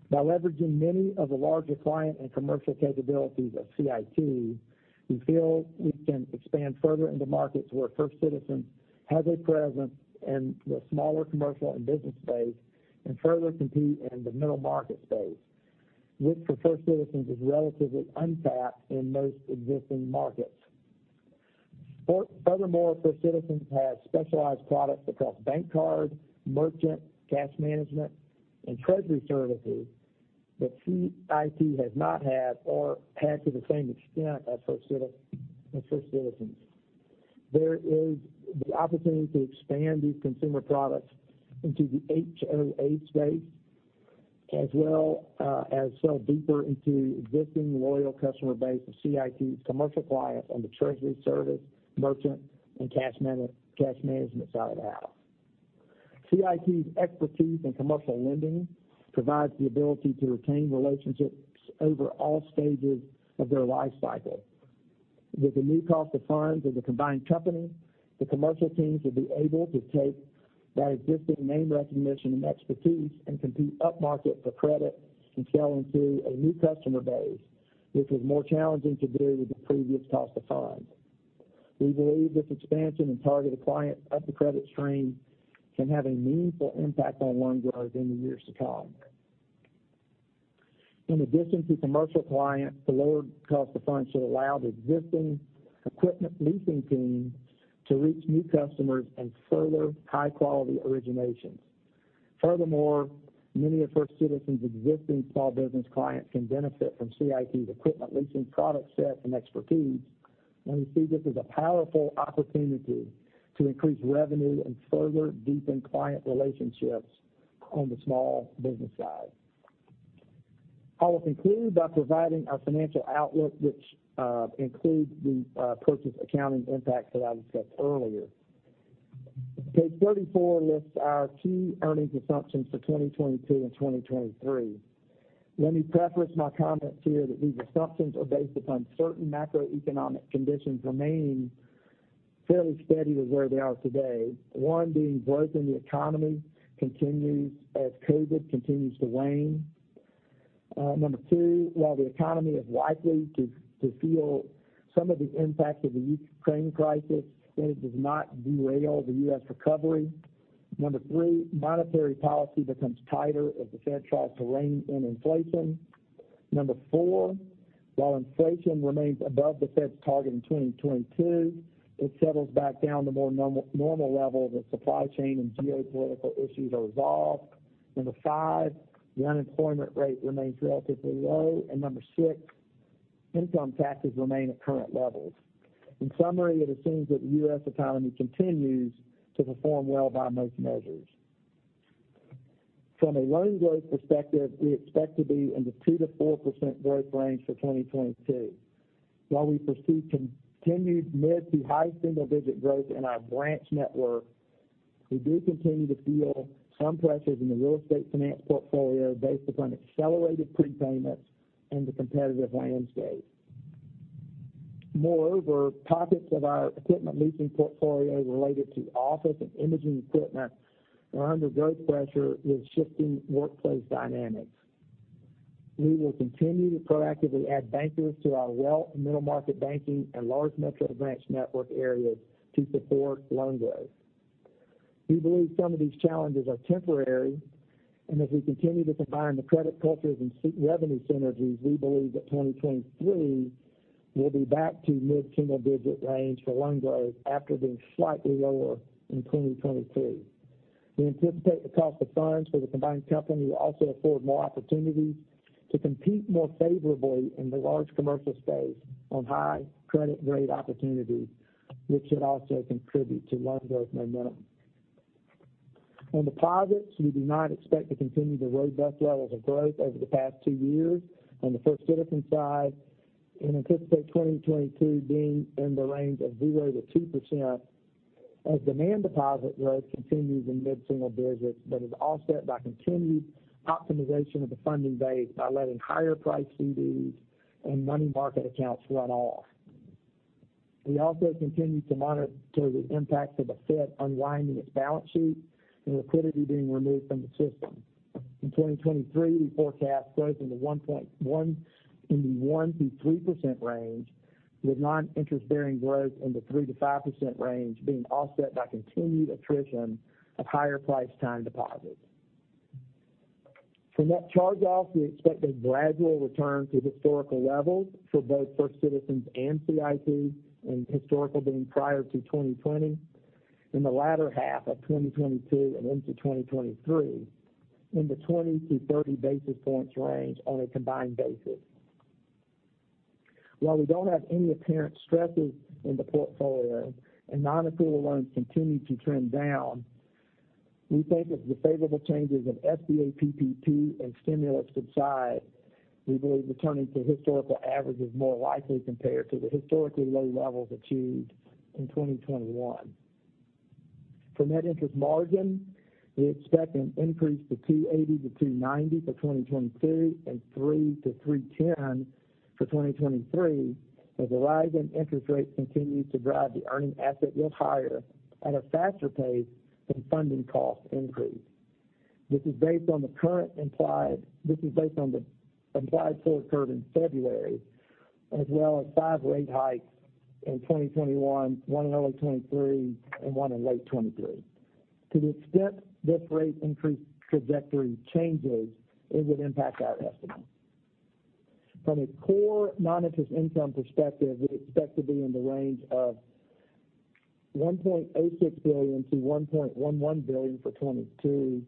By leveraging many of the larger client and commercial capabilities of CIT, we feel we can expand further into markets where First Citizens has a presence in the smaller commercial and business space, and further compete in the middle market space, which for First Citizens is relatively untapped in most existing markets. Furthermore, First Citizens has specialized products across bank card, merchant, cash management, and treasury services that CIT has not had or had to the same extent as First Citizens. There is the opportunity to expand these consumer products into the HOA space, as well, as sell deeper into existing loyal customer base of CIT's commercial clients on the treasury service, merchant, and cash management side of the house. CIT's expertise in commercial lending provides the ability to retain relationships over all stages of their life cycle. With the new cost of funds of the combined company, the commercial teams will be able to take that existing name recognition and expertise and compete upmarket for credit and sell into a new customer base, which is more challenging to do with the previous cost of funds. We believe this expansion and targeted client up the credit stream can have a meaningful impact on loan growth in the years to come. In addition to commercial clients, the lower cost of funds should allow the existing equipment leasing team to reach new customers and further high-quality originations. Furthermore, many of First Citizens' existing small business clients can benefit from CIT's equipment leasing product set and expertise, and we see this as a powerful opportunity to increase revenue and further deepen client relationships on the small business side. I will conclude by providing our financial outlook, which includes the Purchase Accounting impact that I discussed earlier. Page 34 lists our key earnings assumptions for 2022 and 2023. Let me preface my comments here that these assumptions are based upon certain macroeconomic conditions remaining fairly steady with where they are today. One, being growth in the economy continues as COVID continues to wane. Number two, while the economy is likely to feel some of the impact of the Ukraine crisis, that it does not derail the U.S. recovery. Number three, monetary policy becomes tighter as the Fed tries to rein in inflation. Number four, while inflation remains above the Fed's target in 2022, it settles back down to more normal levels as supply chain and geopolitical issues are resolved. Number five, the unemployment rate remains relatively low. Number six, income taxes remain at current levels. In summary, it assumes that the U.S. economy continues to perform well by most measures. From a loan growth perspective, we expect to be in the 2%-4% growth range for 2022. While we foresee continued mid- to high single-digit growth in our branch network, we do continue to feel some pressures in the real estate finance portfolio based upon accelerated prepayments and the competitive landscape. Moreover, pockets of our equipment leasing portfolio related to office and imaging equipment are under growth pressure with shifting workplace dynamics. We will continue to proactively add bankers to our wealth, middle market banking, and large metro branch network areas to support loan growth. We believe some of these challenges are temporary, and as we continue to combine the credit cultures and see revenue synergies, we believe that 2023 will be back to mid-single digit range for loan growth after being slightly lower in 2022. We anticipate the cost of funds for the combined company will also afford more opportunities to compete more favorably in the large commercial space on high credit grade opportunities, which should also contribute to loan growth momentum.... On deposits, we do not expect to continue the robust levels of growth over the past two years. On the First Citizens side, we anticipate 2022 being in the range of 0%-2%, as demand deposit growth continues in mid-single digits, but is offset by continued optimization of the funding base by letting higher price CDs and money market accounts run off. We also continue to monitor the impact of the Fed unwinding its balance sheet and liquidity being removed from the system. In 2023, we forecast growth in the 1%-3% range, with non-interest-bearing growth in the 3%-5% range being offset by continued attrition of higher price time deposits. From net charge-off, we expect a gradual return to historical levels for both First Citizens and CIT, and historical being prior to 2020, in the latter half of 2022 and into 2023, in the 20-30 basis points range on a combined basis. While we don't have any apparent stresses in the portfolio, and non-accrual loans continue to trend down, we think as the favorable changes in SBA, PPP, and stimulus subside, we believe returning to historical average is more likely compared to the historically low levels achieved in 2021. For net interest margin, we expect an increase to 2.80%-2.90% for 2022, and 3.00%-3.10% for 2023, as the rise in interest rates continues to drive the earning asset yield higher at a faster pace than funding cost increase. This is based on the implied forward curve in February, as well as five rate hikes in 2021, one in early 2023, and one in late 2023. To the extent this rate increase trajectory changes, it would impact our estimate. From a core non-interest income perspective, we expect to be in the range of $1.86 billion-$1.11 billion for 2022,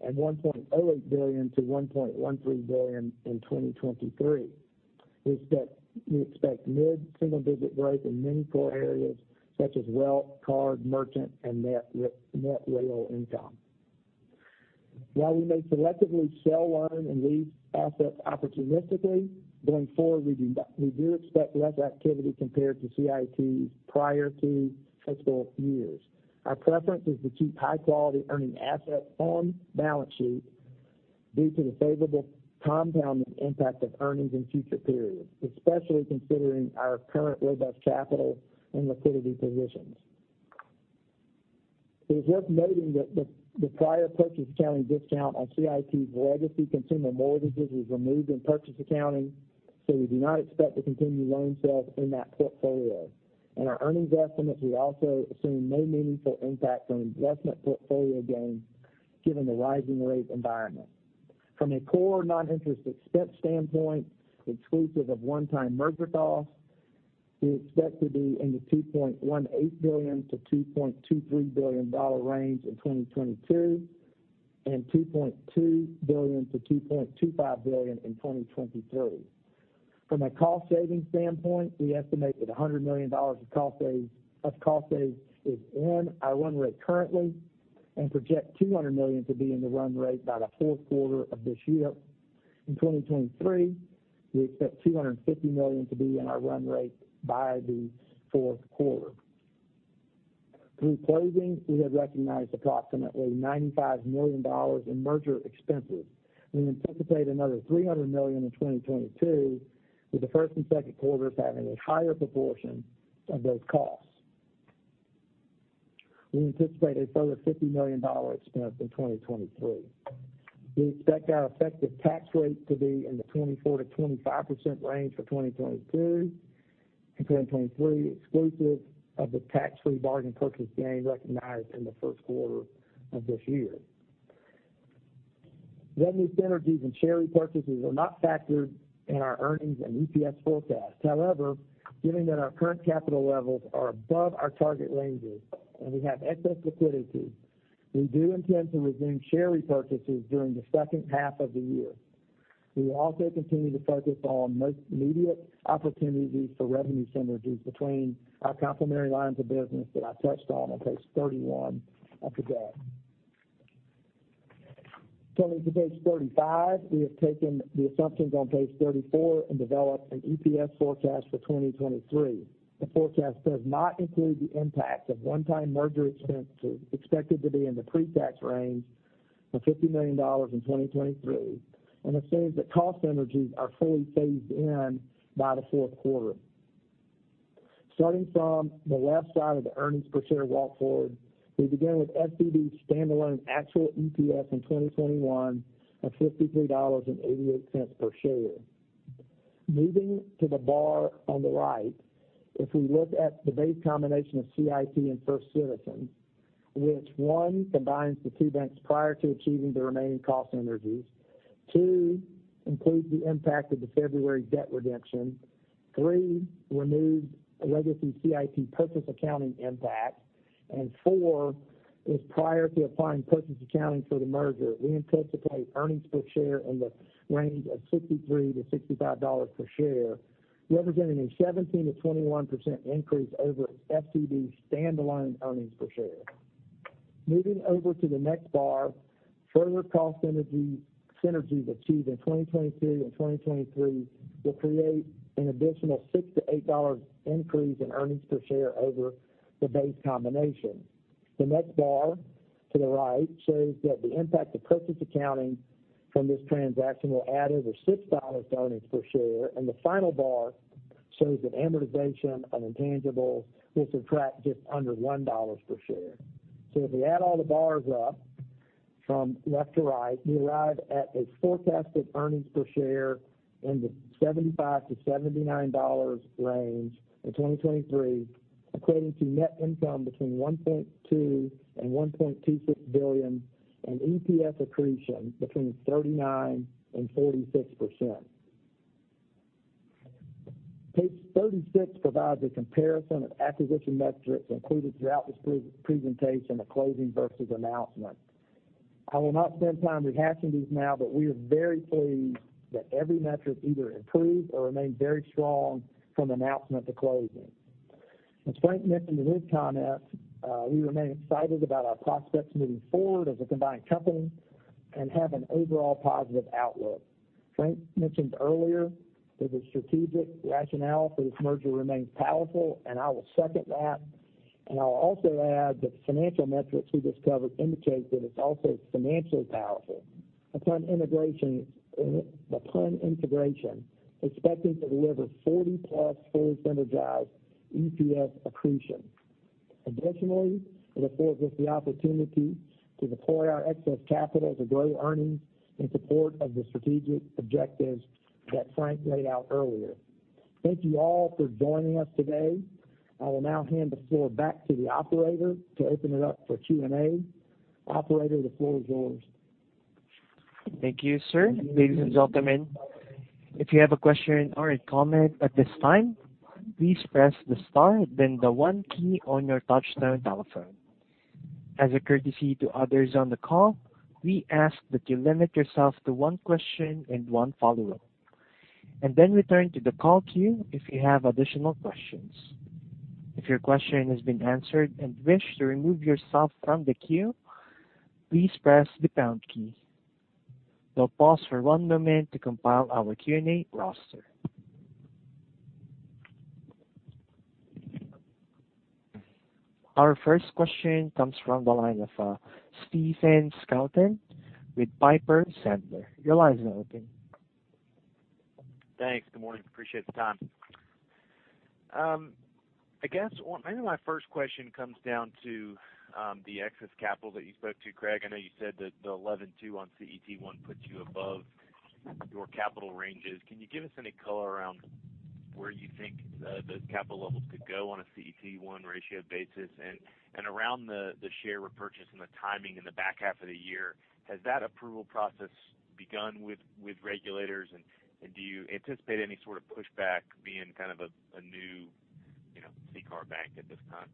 and $1.08 billion-$1.13 billion in 2023. We expect, we expect mid-single digit growth in many core areas, such as wealth, card, merchant, and net loan income. While we may selectively sell loan and lease assets opportunistically, going forward, we do, we do expect less activity compared to CIT's prior two fiscal years. Our preference is to keep high-quality earning assets on balance sheet due to the favorable compounding impact of earnings in future periods, especially considering our current robust capital and liquidity positions. It is worth noting that the prior purchase accounting discount on CIT's legacy consumer mortgages was removed in purchase accounting, so we do not expect to continue loan sales in that portfolio. In our earnings estimates, we also assume no meaningful impact on investment portfolio gains, given the rising rate environment. From a core non-interest expense standpoint, exclusive of one-time merger costs, we expect to be in the $2.18 billion-$2.23 billion range in 2022, and $2.2 billion-$2.25 billion in 2023. From a cost-saving standpoint, we estimate that $100 million of cost savings is in our run rate currently, and project $200 million to be in the run rate by the fourth quarter of this year. In 2023, we expect $250 million to be in our run rate by the fourth quarter. Through closing, we have recognized approximately $95 million in merger expenses. We anticipate another $300 million in 2022, with the first and second quarters having a higher proportion of those costs. We anticipate a further $50 million spent in 2023. We expect our effective tax rate to be in the 24%-25% range for 2022 and 2023, exclusive of the tax-free bargain purchase gain recognized in the first quarter of this year. Revenue synergies and share repurchases are not factored in our earnings and EPS forecast. However, given that our current capital levels are above our target ranges and we have excess liquidity, we do intend to resume share repurchases during the second half of the year. We will also continue to focus on most immediate opportunities for revenue synergies between our complementary lines of business that I touched on on page 31 of the deck. Turning to page 35, we have taken the assumptions on page 34 and developed an EPS forecast for 2023. The forecast does not include the impact of one-time merger expenses, expected to be in the pre-tax range of $50 million in 2023, and assumes that cost synergies are fully phased in by the fourth quarter. Starting from the left side of the earnings per share walk forward, we begin with FCNCA's standalone actual EPS in 2021 of $53.88 per share. Moving to the bar on the right, if we look at the base combination of CIT and First Citizens, which, one, combines the two banks prior to achieving the remaining cost synergies, two, includes the impact of the February debt redemption, three, removes a legacy CIT purchase accounting impact, and four, is prior to applying purchase accounting for the merger, we anticipate earnings per share in the range of $63-$65 per share, representing a 17%-21% increase over FCNCA's standalone earnings per share. Moving over to the next bar, further cost synergies achieved in 2022 and 2023 will create an additional $6-$8 increase in earnings per share over the base combination. The next bar to the right shows that the impact of purchase accounting from this transaction will add over $6 to earnings per share, and the final bar shows that amortization of intangibles will subtract just under $1 per share. So if we add all the bars up from left to right, we arrive at a forecasted earnings per share in the $75-$79 range in 2023, equating to net income between $1.2 billion and $1.26 billion, and EPS accretion between 39% and 46%. Page 36 provides a comparison of acquisition metrics included throughout this presentation of closing versus announcement. I will not spend time rehashing these now, but we are very pleased that every metric either improved or remained very strong from announcement to closing. As Frank mentioned in his comments, we remain excited about our prospects moving forward as a combined company and have an overall positive outlook. Frank mentioned earlier that the strategic rationale for this merger remains powerful, and I will second that. And I'll also add that the financial metrics we discovered indicate that it's also financially powerful. Upon integration, expecting to deliver 40+ fully synergized EPS accretion. Additionally, it affords us the opportunity to deploy our excess capital to grow earnings in support of the strategic objectives that Frank laid out earlier. Thank you all for joining us today. I will now hand the floor back to the operator to open it up for Q&A. Operator, the floor is yours. Thank you, sir. Ladies and gentlemen, if you have a question or a comment at this time, please press the star, then the one key on your touch-tone telephone. As a courtesy to others on the call, we ask that you limit yourself to one question and one follow-up, and then return to the call queue if you have additional questions. If your question has been answered and wish to remove yourself from the queue, please press the pound key. We'll pause for one moment to compile our Q&A roster. Our first question comes from the line of Stephen Scouten with Piper Sandler. Your line is now open. Thanks. Good morning, appreciate the time. I guess maybe my first question comes down to the excess capital that you spoke to, Craig. I know you said that the 11.2 on CET1 puts you above your capital ranges. Can you give us any color around where you think those capital levels could go on a CET1 ratio basis? And around the share repurchase and the timing in the back half of the year, has that approval process begun with regulators? And do you anticipate any sort of pushback being kind of a new, you know, CCAR bank at this time?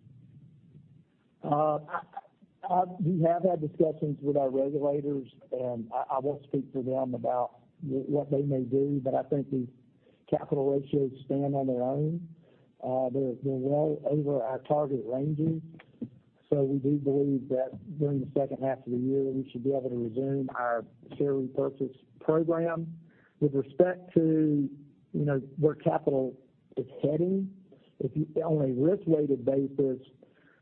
We have had discussions with our regulators, and I won't speak for them about what they may do, but I think the capital ratios stand on their own. They're well over our target ranges, so we do believe that during the second half of the year, we should be able to resume our share repurchase program. With respect to, you know, where capital is heading, on a risk-weighted basis,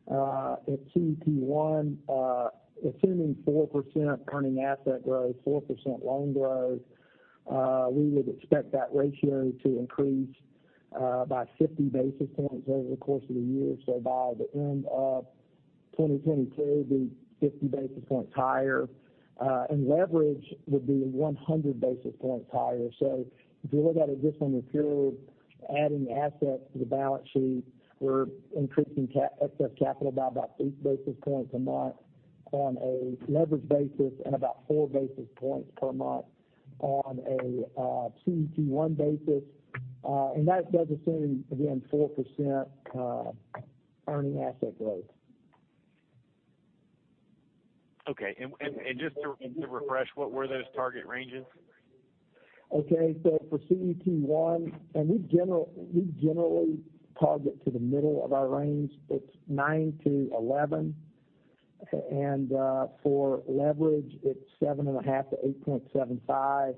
at CET1, assuming 4% earning asset growth, 4% loan growth, we would expect that ratio to increase by 50 basis points over the course of the year. So by the end of 2022, it'll be 50 basis points higher, and leverage would be 100 basis points higher. So if you look at it just on a period, adding assets to the balance sheet, we're increasing excess capital by about 8 basis points a month on a leverage basis and about 4 basis points per month on a CET1 basis. And that does assume, again, 4% earning asset growth. Okay, just to refresh, what were those target ranges? Okay, so for CET1, and we generally target to the middle of our range, it's 9-11. And for leverage, it's 7.5-8.75.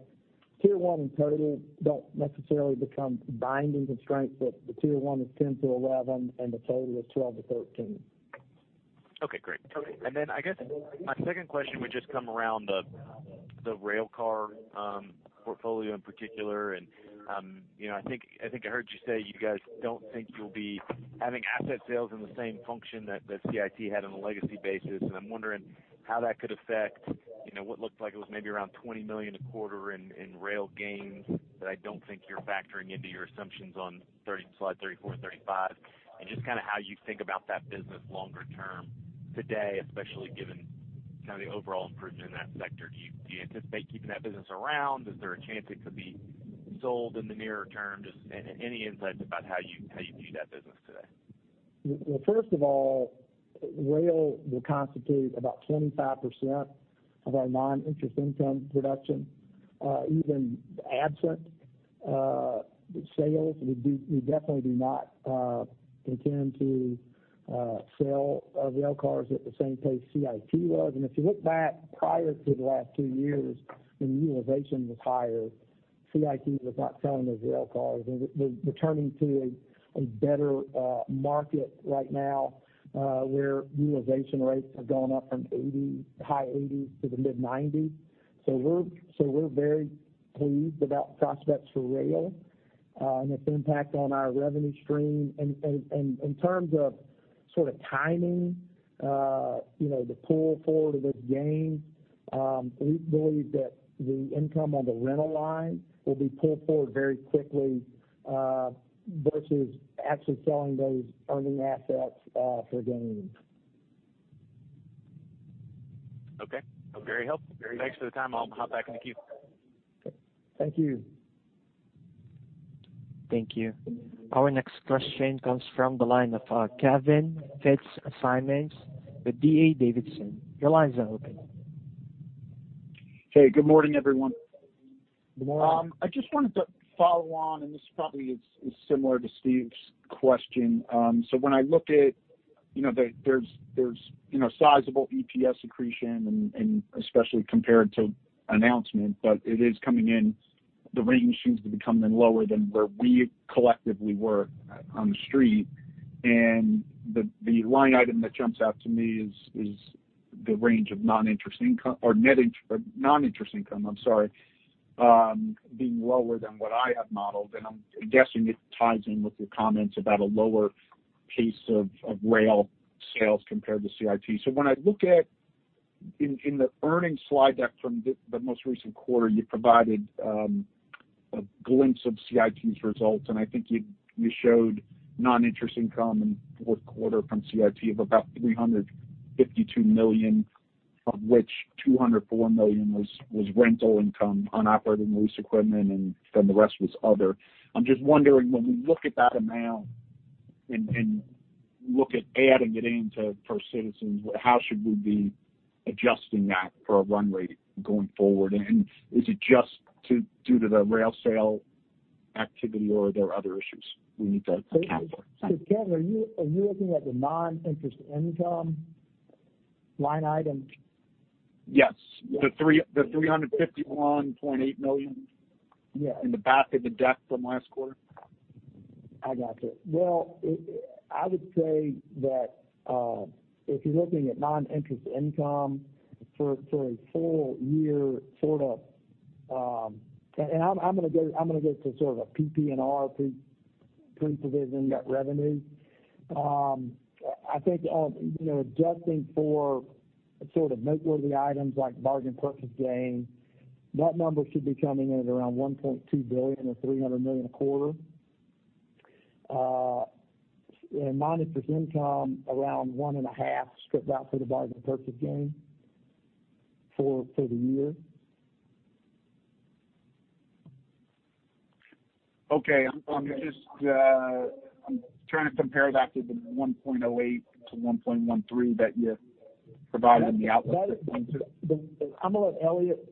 Tier 1 and total don't necessarily become binding constraints, but the tier one is 10-11, and the total is 12-13. Okay, great. And then I guess my second question would just come around the rail car portfolio in particular. And you know, I think I heard you say you guys don't think you'll be having asset sales in the same function that CIT had on a legacy basis. And I'm wondering how that could affect, you know, what looked like it was maybe around $20 million a quarter in rail gains, but I don't think you're factoring into your assumptions on slide 30, 34, 35. And just kind of how you think about that business longer term today, especially given kind of the overall improvement in that sector. Do you anticipate keeping that business around? Is there a chance it could be sold in the nearer term? Just any insights about how you view that business today? Well, first of all, rail will constitute about 25% of our non-interest income production. Even absent sales. We do, we definitely do not intend to sell our rail cars at the same pace CIT was. And if you look back prior to the last two years, when utilization was higher, CIT was not selling those rail cars. And they're returning to a better market right now, where utilization rates have gone up from 80, high 80s to the mid-90s. So we're very pleased about prospects for rail and its impact on our revenue stream. And in terms of sort of timing, you know, the pull forward of this gain, we believe that the income on the rental line will be pulled forward very quickly versus actually selling those earning assets for gains. Okay, very helpful. Thanks for the time. I'll hop back in the queue. Thank you. Thank you. Our next question comes from the line of Kevin Fitzsimmons with D.A. Davidson. Your line is open. Hey, good morning, everyone. Good morning. I just wanted to follow on, and this probably is similar to Steve's question. So when I look at, you know, there's, you know, sizable EPS accretion and especially compared to announcement, but it is coming in. The range seems to be coming in lower than where we collectively were on the street. And the line item that jumps out to me is the range of non-interest income or non-interest income, I'm sorry, being lower than what I have modeled, and I'm guessing it ties in with your comments about a lower pace of rail sales compared to CIT. So when I look at the earnings slide deck from the most recent quarter, you provided a glimpse of CIT's results, and I think you showed non-interest income in fourth quarter from CIT of about $352 million, of which $204 million was rental income on operating lease equipment, and then the rest was other. I'm just wondering, when we look at that amount and look at adding it into First Citizens, how should we be adjusting that for a run rate going forward? And is it just due to the rail sale activity, or are there other issues we need to account for? So, Kevin, are you looking at the non-interest income line item? Yes. Yes. The $351.8 million- Yes... in the back of the deck from last quarter. I got you. Well, it I would say that, if you're looking at non-interest income for a full year, sort of. And I'm gonna go to sort of a PPNR, pre-provision net revenue. I think, you know, adjusting for sort of noteworthy items like bargain purchase gain, that number should be coming in at around $1.2 billion or $300 million a quarter. And non-interest income, around $1.5 billion, stripped out for the bargain purchase gain for the year. Okay. I'm just trying to compare that to the 1.08-1.13 that you provided in the outlook. I'm gonna let Elliot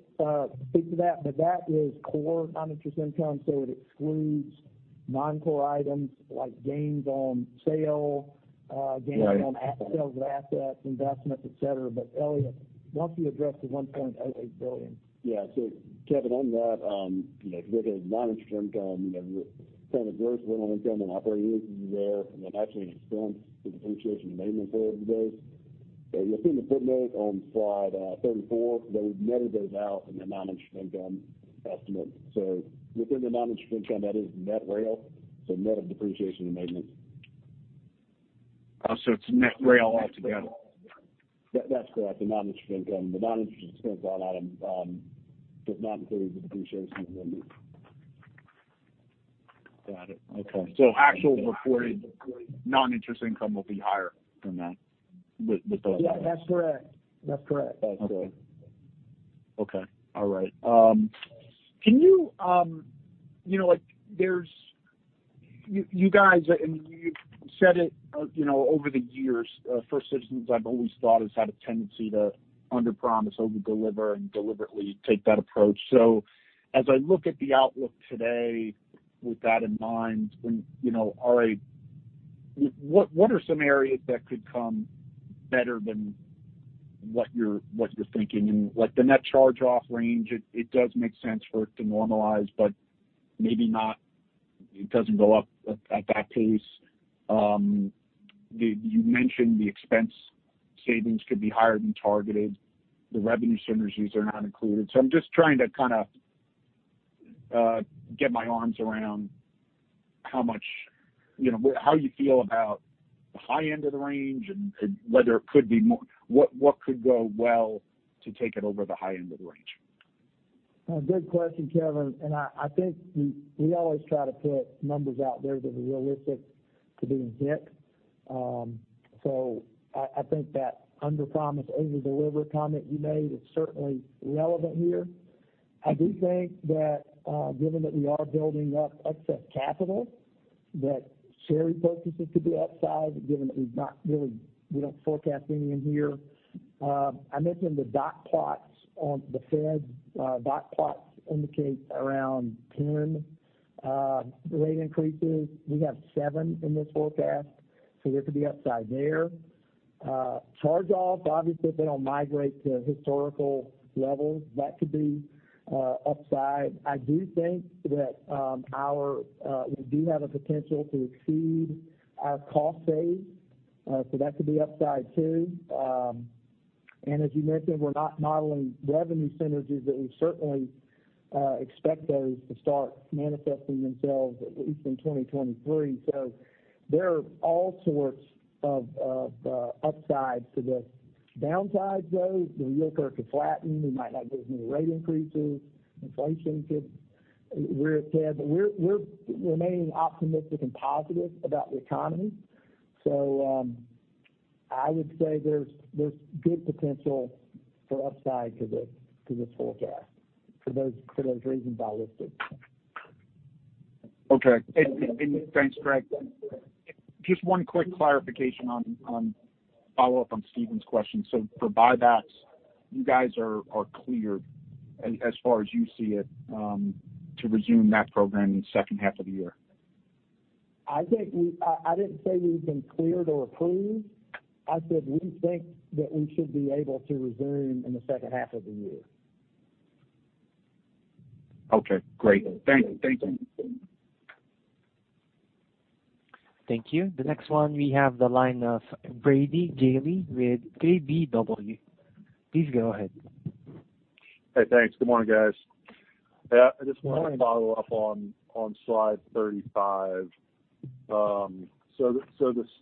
speak to that, but that is core non-interest income, so it excludes non-core items like gains on sale, Right... gains on sales of assets, investments, et cetera. But Elliot, why don't you address the $1.08 billion? Yeah. So Kevin, on that, you know, if you look at non-interest income, you know, kind of gross income and operating earnings there, and then actually expense the depreciation and maintenance over the base. You'll see in the footnote on slide 34, there was net of those out in the non-interest income estimate. So within the non-interest income, that is net rail, so net of depreciation and maintenance. Oh, so it's net rail altogether? That's correct, the non-interest income. The non-interest expense line item does not include the depreciation and maintenance. Got it. Okay. So actual reported non-interest income will be higher than that, with, with those? Yeah, that's correct. That's correct. That's correct. Okay. All right. Can you, you know, like, there's. You, you guys, and you've said it, you know, over the years, First Citizens, I've always thought, has had a tendency to underpromise, overdeliver, and deliberately take that approach. So as I look at the outlook today with that in mind, and, you know, RA, what, what are some areas that could come better than what you're, what you're thinking? And like, the net charge-off range, it, it does make sense for it to normalize, but maybe not. It doesn't go up at, at that pace. You mentioned the expense savings could be higher than targeted. The revenue synergies are not included. So I'm just trying to kind of get my arms around how much, you know, how you feel about the high end of the range and whether it could be more. What could go well to take it over the high end of the range? Well, good question, Kevin, and I think we always try to put numbers out there that are realistic to being hit. So I think that underpromise, overdeliver comment you made is certainly relevant here. I do think that, given that we are building up excess capital, that share repurchases could be upside, given that we've not really, we don't forecast any in here. I mentioned the dot plots on the Fed, dot plots indicate around 10 rate increases. We have seven in this forecast, so there could be upside there. Charge-offs, obviously, if they don't migrate to historical levels, that could be upside. I do think that we do have a potential to exceed our cost saves, so that could be upside, too. As you mentioned, we're not modeling revenue synergies, but we certainly expect those to start manifesting themselves, at least in 2023. So there are all sorts of upsides to this. Downsides, though, the yield curve could flatten, we might not get any rate increases, inflation could rear its head. But we're remaining optimistic and positive about the economy. So I would say there's good potential for upside to this forecast, for those reasons I listed. Okay. And thanks, Craig. Just one quick clarification on follow-up on Stephen's question. So for buybacks, you guys are clear, as far as you see it, to resume that program in the second half of the year? I think I didn't say we've been cleared or approved. I said, we think that we should be able to resume in the second half of the year. Okay, great. Thank you. Thank you. Thank you. The next one, we have the line of Brady Gailey with KBW. Please go ahead. Hey, thanks. Good morning, guys. Yeah, I just want- Good morning. To follow up on slide 35. So the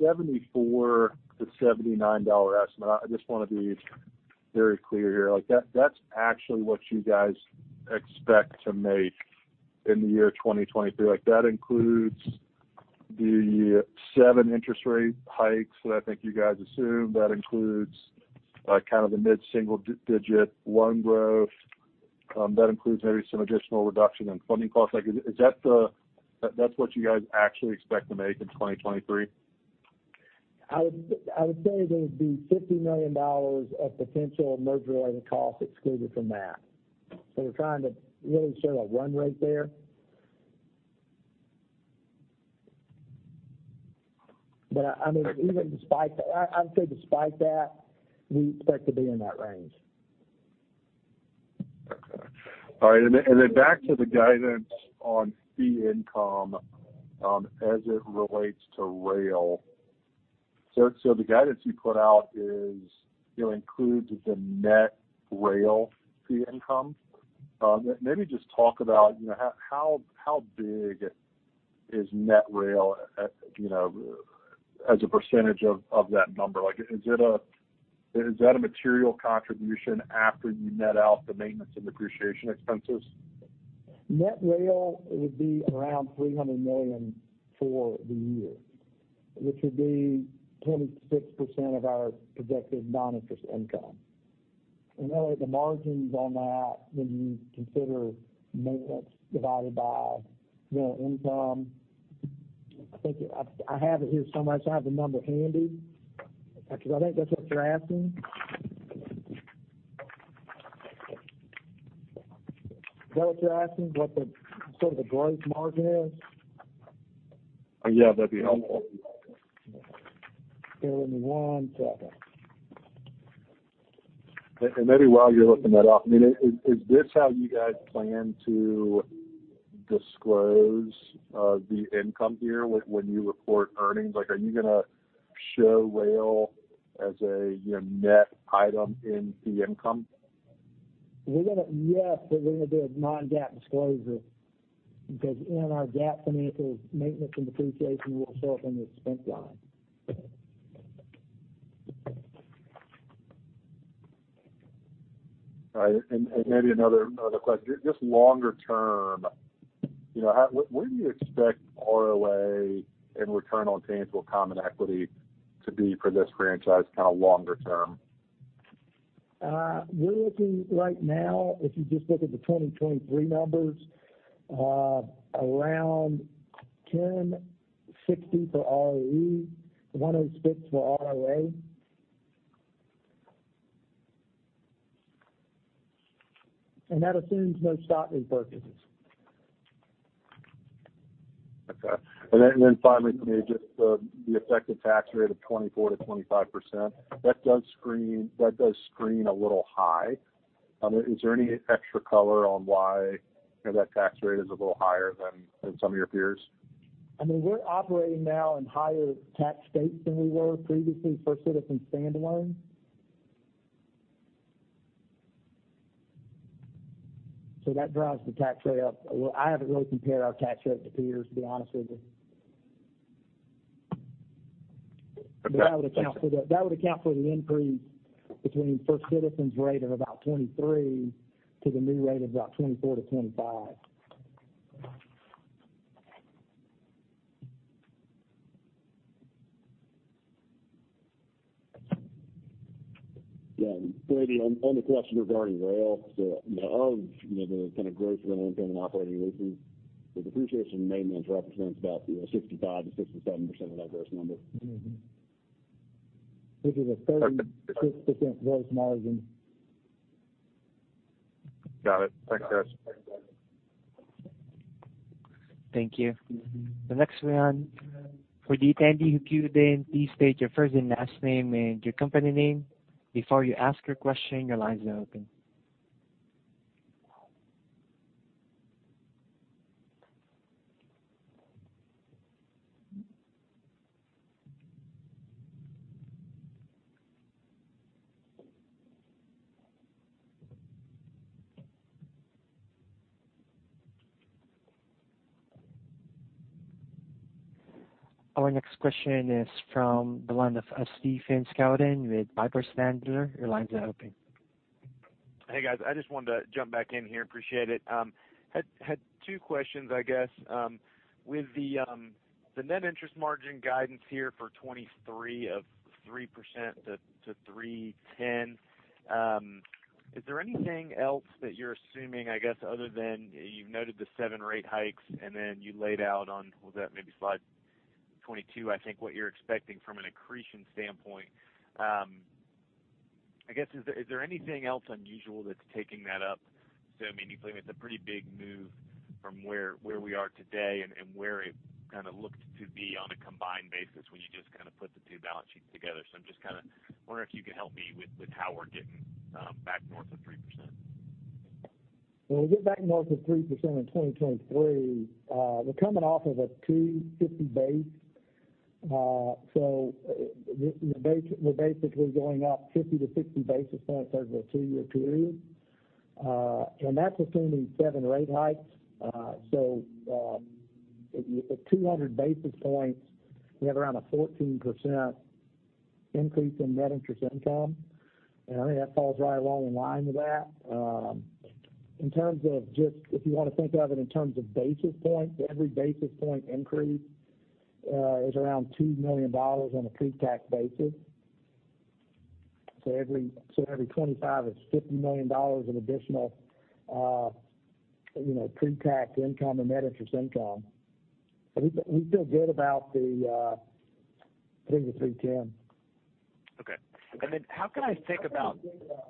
$74-$79 estimate, I just want to be very clear here, like, that, that's actually what you guys expect to make in 2023. Like, that includes the seven interest rate hikes that I think you guys assume, that includes kind of the mid-single-digit loan growth, that includes maybe some additional reduction in funding costs. Like, is that the-- that, that's what you guys actually expect to make in 2023? I would say there would be $50 million of potential merger-related costs excluded from that. So we're trying to really show a run rate there. But, I mean, even despite that, I would say despite that, we expect to be in that range. Okay. All right, and then back to the guidance on fee income, as it relates to rail. So the guidance you put out is, you know, includes the net rail fee income. Maybe just talk about, you know, how big is net rail, you know, as a percentage of that number? Like, is that a material contribution after you net out the maintenance and depreciation expenses? Net rail would be around $300 million for the year, which would be 26% of our projected non-interest income. And then the margins on that, when you consider maintenance divided by net income, I think I, I have it here somewhere, so I have the number handy. Because I think that's what you're asking? Is that what you're asking, what the, sort of the growth margin is? Yeah, that'd be helpful. Give me one second. Maybe while you're looking that up, I mean, is this how you guys plan to disclose the income here when you report earnings? Like, are you gonna show rail as a, you know, net item in fee income? Yes, but we're gonna do a non-GAAP disclosure, because in our GAAP financials, maintenance and depreciation will show up in the expense line. All right. And maybe another question. Just longer term, you know, what do you expect ROA and return on tangible common equity to be for this franchise, kind of longer term? We're looking right now, if you just look at the 2023 numbers, around 10.60 for ROE, 1.06 for ROA. And that assumes no stock repurchases. Okay. And then finally, just the effective tax rate of 24%-25%, that does screen a little high. Is there any extra color on why, you know, that tax rate is a little higher than some of your peers? I mean, we're operating now in higher tax states than we were previously for Citizens standalone. So that drives the tax rate up. Well, I haven't really compared our tax rate to peers, to be honest with you. Okay. But that would account for the increase between First Citizens' rate of about 23 to the new rate of about 24-25. Yeah, maybe on the question regarding rail, you know, the kind of growth in the operating leases, the depreciation and maintenance represents about 65%-67% of that gross number. Mm-hmm. This is a 36% gross margin. Got it. Thanks, guys. Thank you. The next one for the attendee who queued in, please state your first and last name and your company name before you ask your question. Your lines are open. Our next question is from the line of Stephen Scouten with Piper Sandler. Your line is open. Hey, guys. I just wanted to jump back in here. Appreciate it. Had two questions, I guess. With the net interest margin guidance here for 2023 of 3%-3.10%, is there anything else that you're assuming, I guess, other than you've noted the 7 rate hikes, and then you laid out on, was that maybe slide 22? I think what you're expecting from an accretion standpoint. I guess, is there anything else unusual that's taking that up? So I mean, you believe it's a pretty big move from where we are today and where it kind of looked to be on a combined basis when you just kind of put the two balance sheets together. I'm just kind of wondering if you could help me with how we're getting back north of 3%. Well, we get back north of 3% in 2023. We're coming off of a 2.50 base. So this, we're basically going up 50-60 basis points over a two-year period. And that's assuming 7 rate hikes. So, at 200 basis points, we have around a 14% increase in net interest income, and I think that falls right along the line with that. In terms of just if you want to think of it in terms of basis points, every basis point increase is around $2 million on a pre-tax basis. So every 25 is $50 million in additional, you know, pre-tax income and net interest income. But we feel good about the, I think the 3.10. Okay. And then how can I think about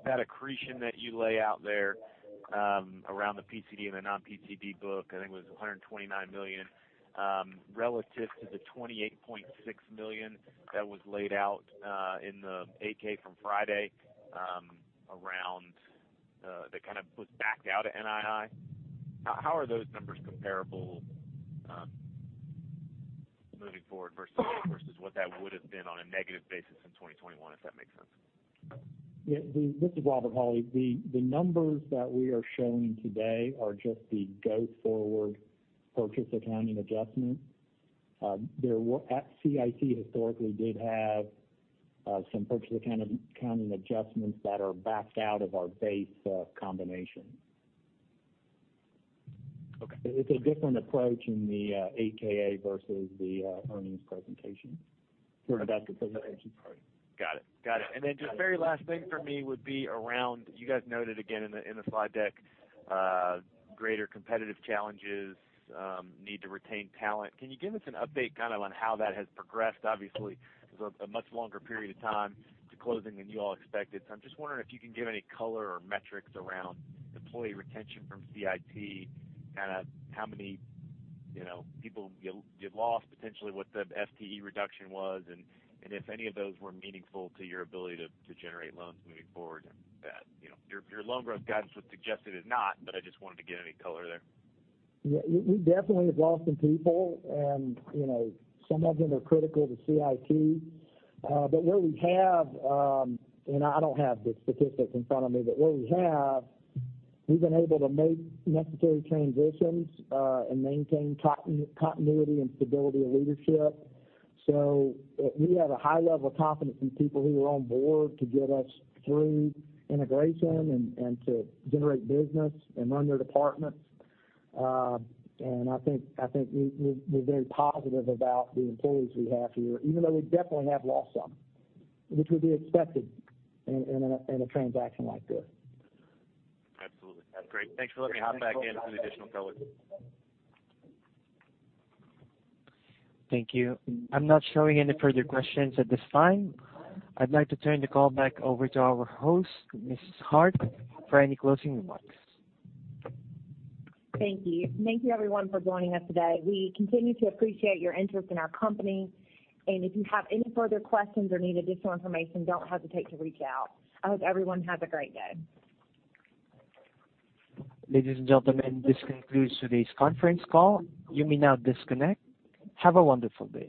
that accretion that you lay out there around the PCD and the non-PCD book? I think it was $129 million relative to the $28.6 million that was laid out in the 8-K from Friday around that kind of was backed out of NII. How are those numbers comparable moving forward versus what that would have been on a negative basis in 2021, if that makes sense? This is Robert Hawley. The numbers that we are showing today are just the go-forward Purchase Accounting adjustment. There were at CIT historically did have some Purchase Accounting adjustments that are backed out of our base combination. Okay. It's a different approach in the 8-K versus the earnings presentation. Sort of adjustment presentation. Got it. Got it. And then just very last thing for me would be around, you guys noted again in the, in the slide deck, greater competitive challenges, need to retain talent. Can you give us an update kind of on how that has progressed? Obviously, there's a, a much longer period of time to closing than you all expected. So I'm just wondering if you can give any color or metrics around employee retention from CIT, kind of how many, you know, people you, you've lost, potentially what the FTE reduction was, and, and if any of those were meaningful to your ability to, to generate loans moving forward. And that, you know, your, your loan growth guidance would suggest it is not, but I just wanted to get any color there. Yeah, we definitely have lost some people, and, you know, some of them are critical to CIT. But where we have, and I don't have the statistics in front of me, but where we have, we've been able to make necessary transitions, and maintain continuity and stability of leadership. So we have a high level of confidence in people who are on board to get us through integration and to generate business and run their departments. And I think we're very positive about the employees we have here, even though we definitely have lost some, which would be expected in a transaction like this. Absolutely. That's great. Thanks for letting me hop back in for the additional color. Thank you. I'm not showing any further questions at this time. I'd like to turn the call back over to our host, Mrs. Hart, for any closing remarks. Thank you. Thank you everyone for joining us today. We continue to appreciate your interest in our company, and if you have any further questions or need additional information, don't hesitate to reach out. I hope everyone has a great day. Ladies and gentlemen, this concludes today's conference call. You may now disconnect. Have a wonderful day.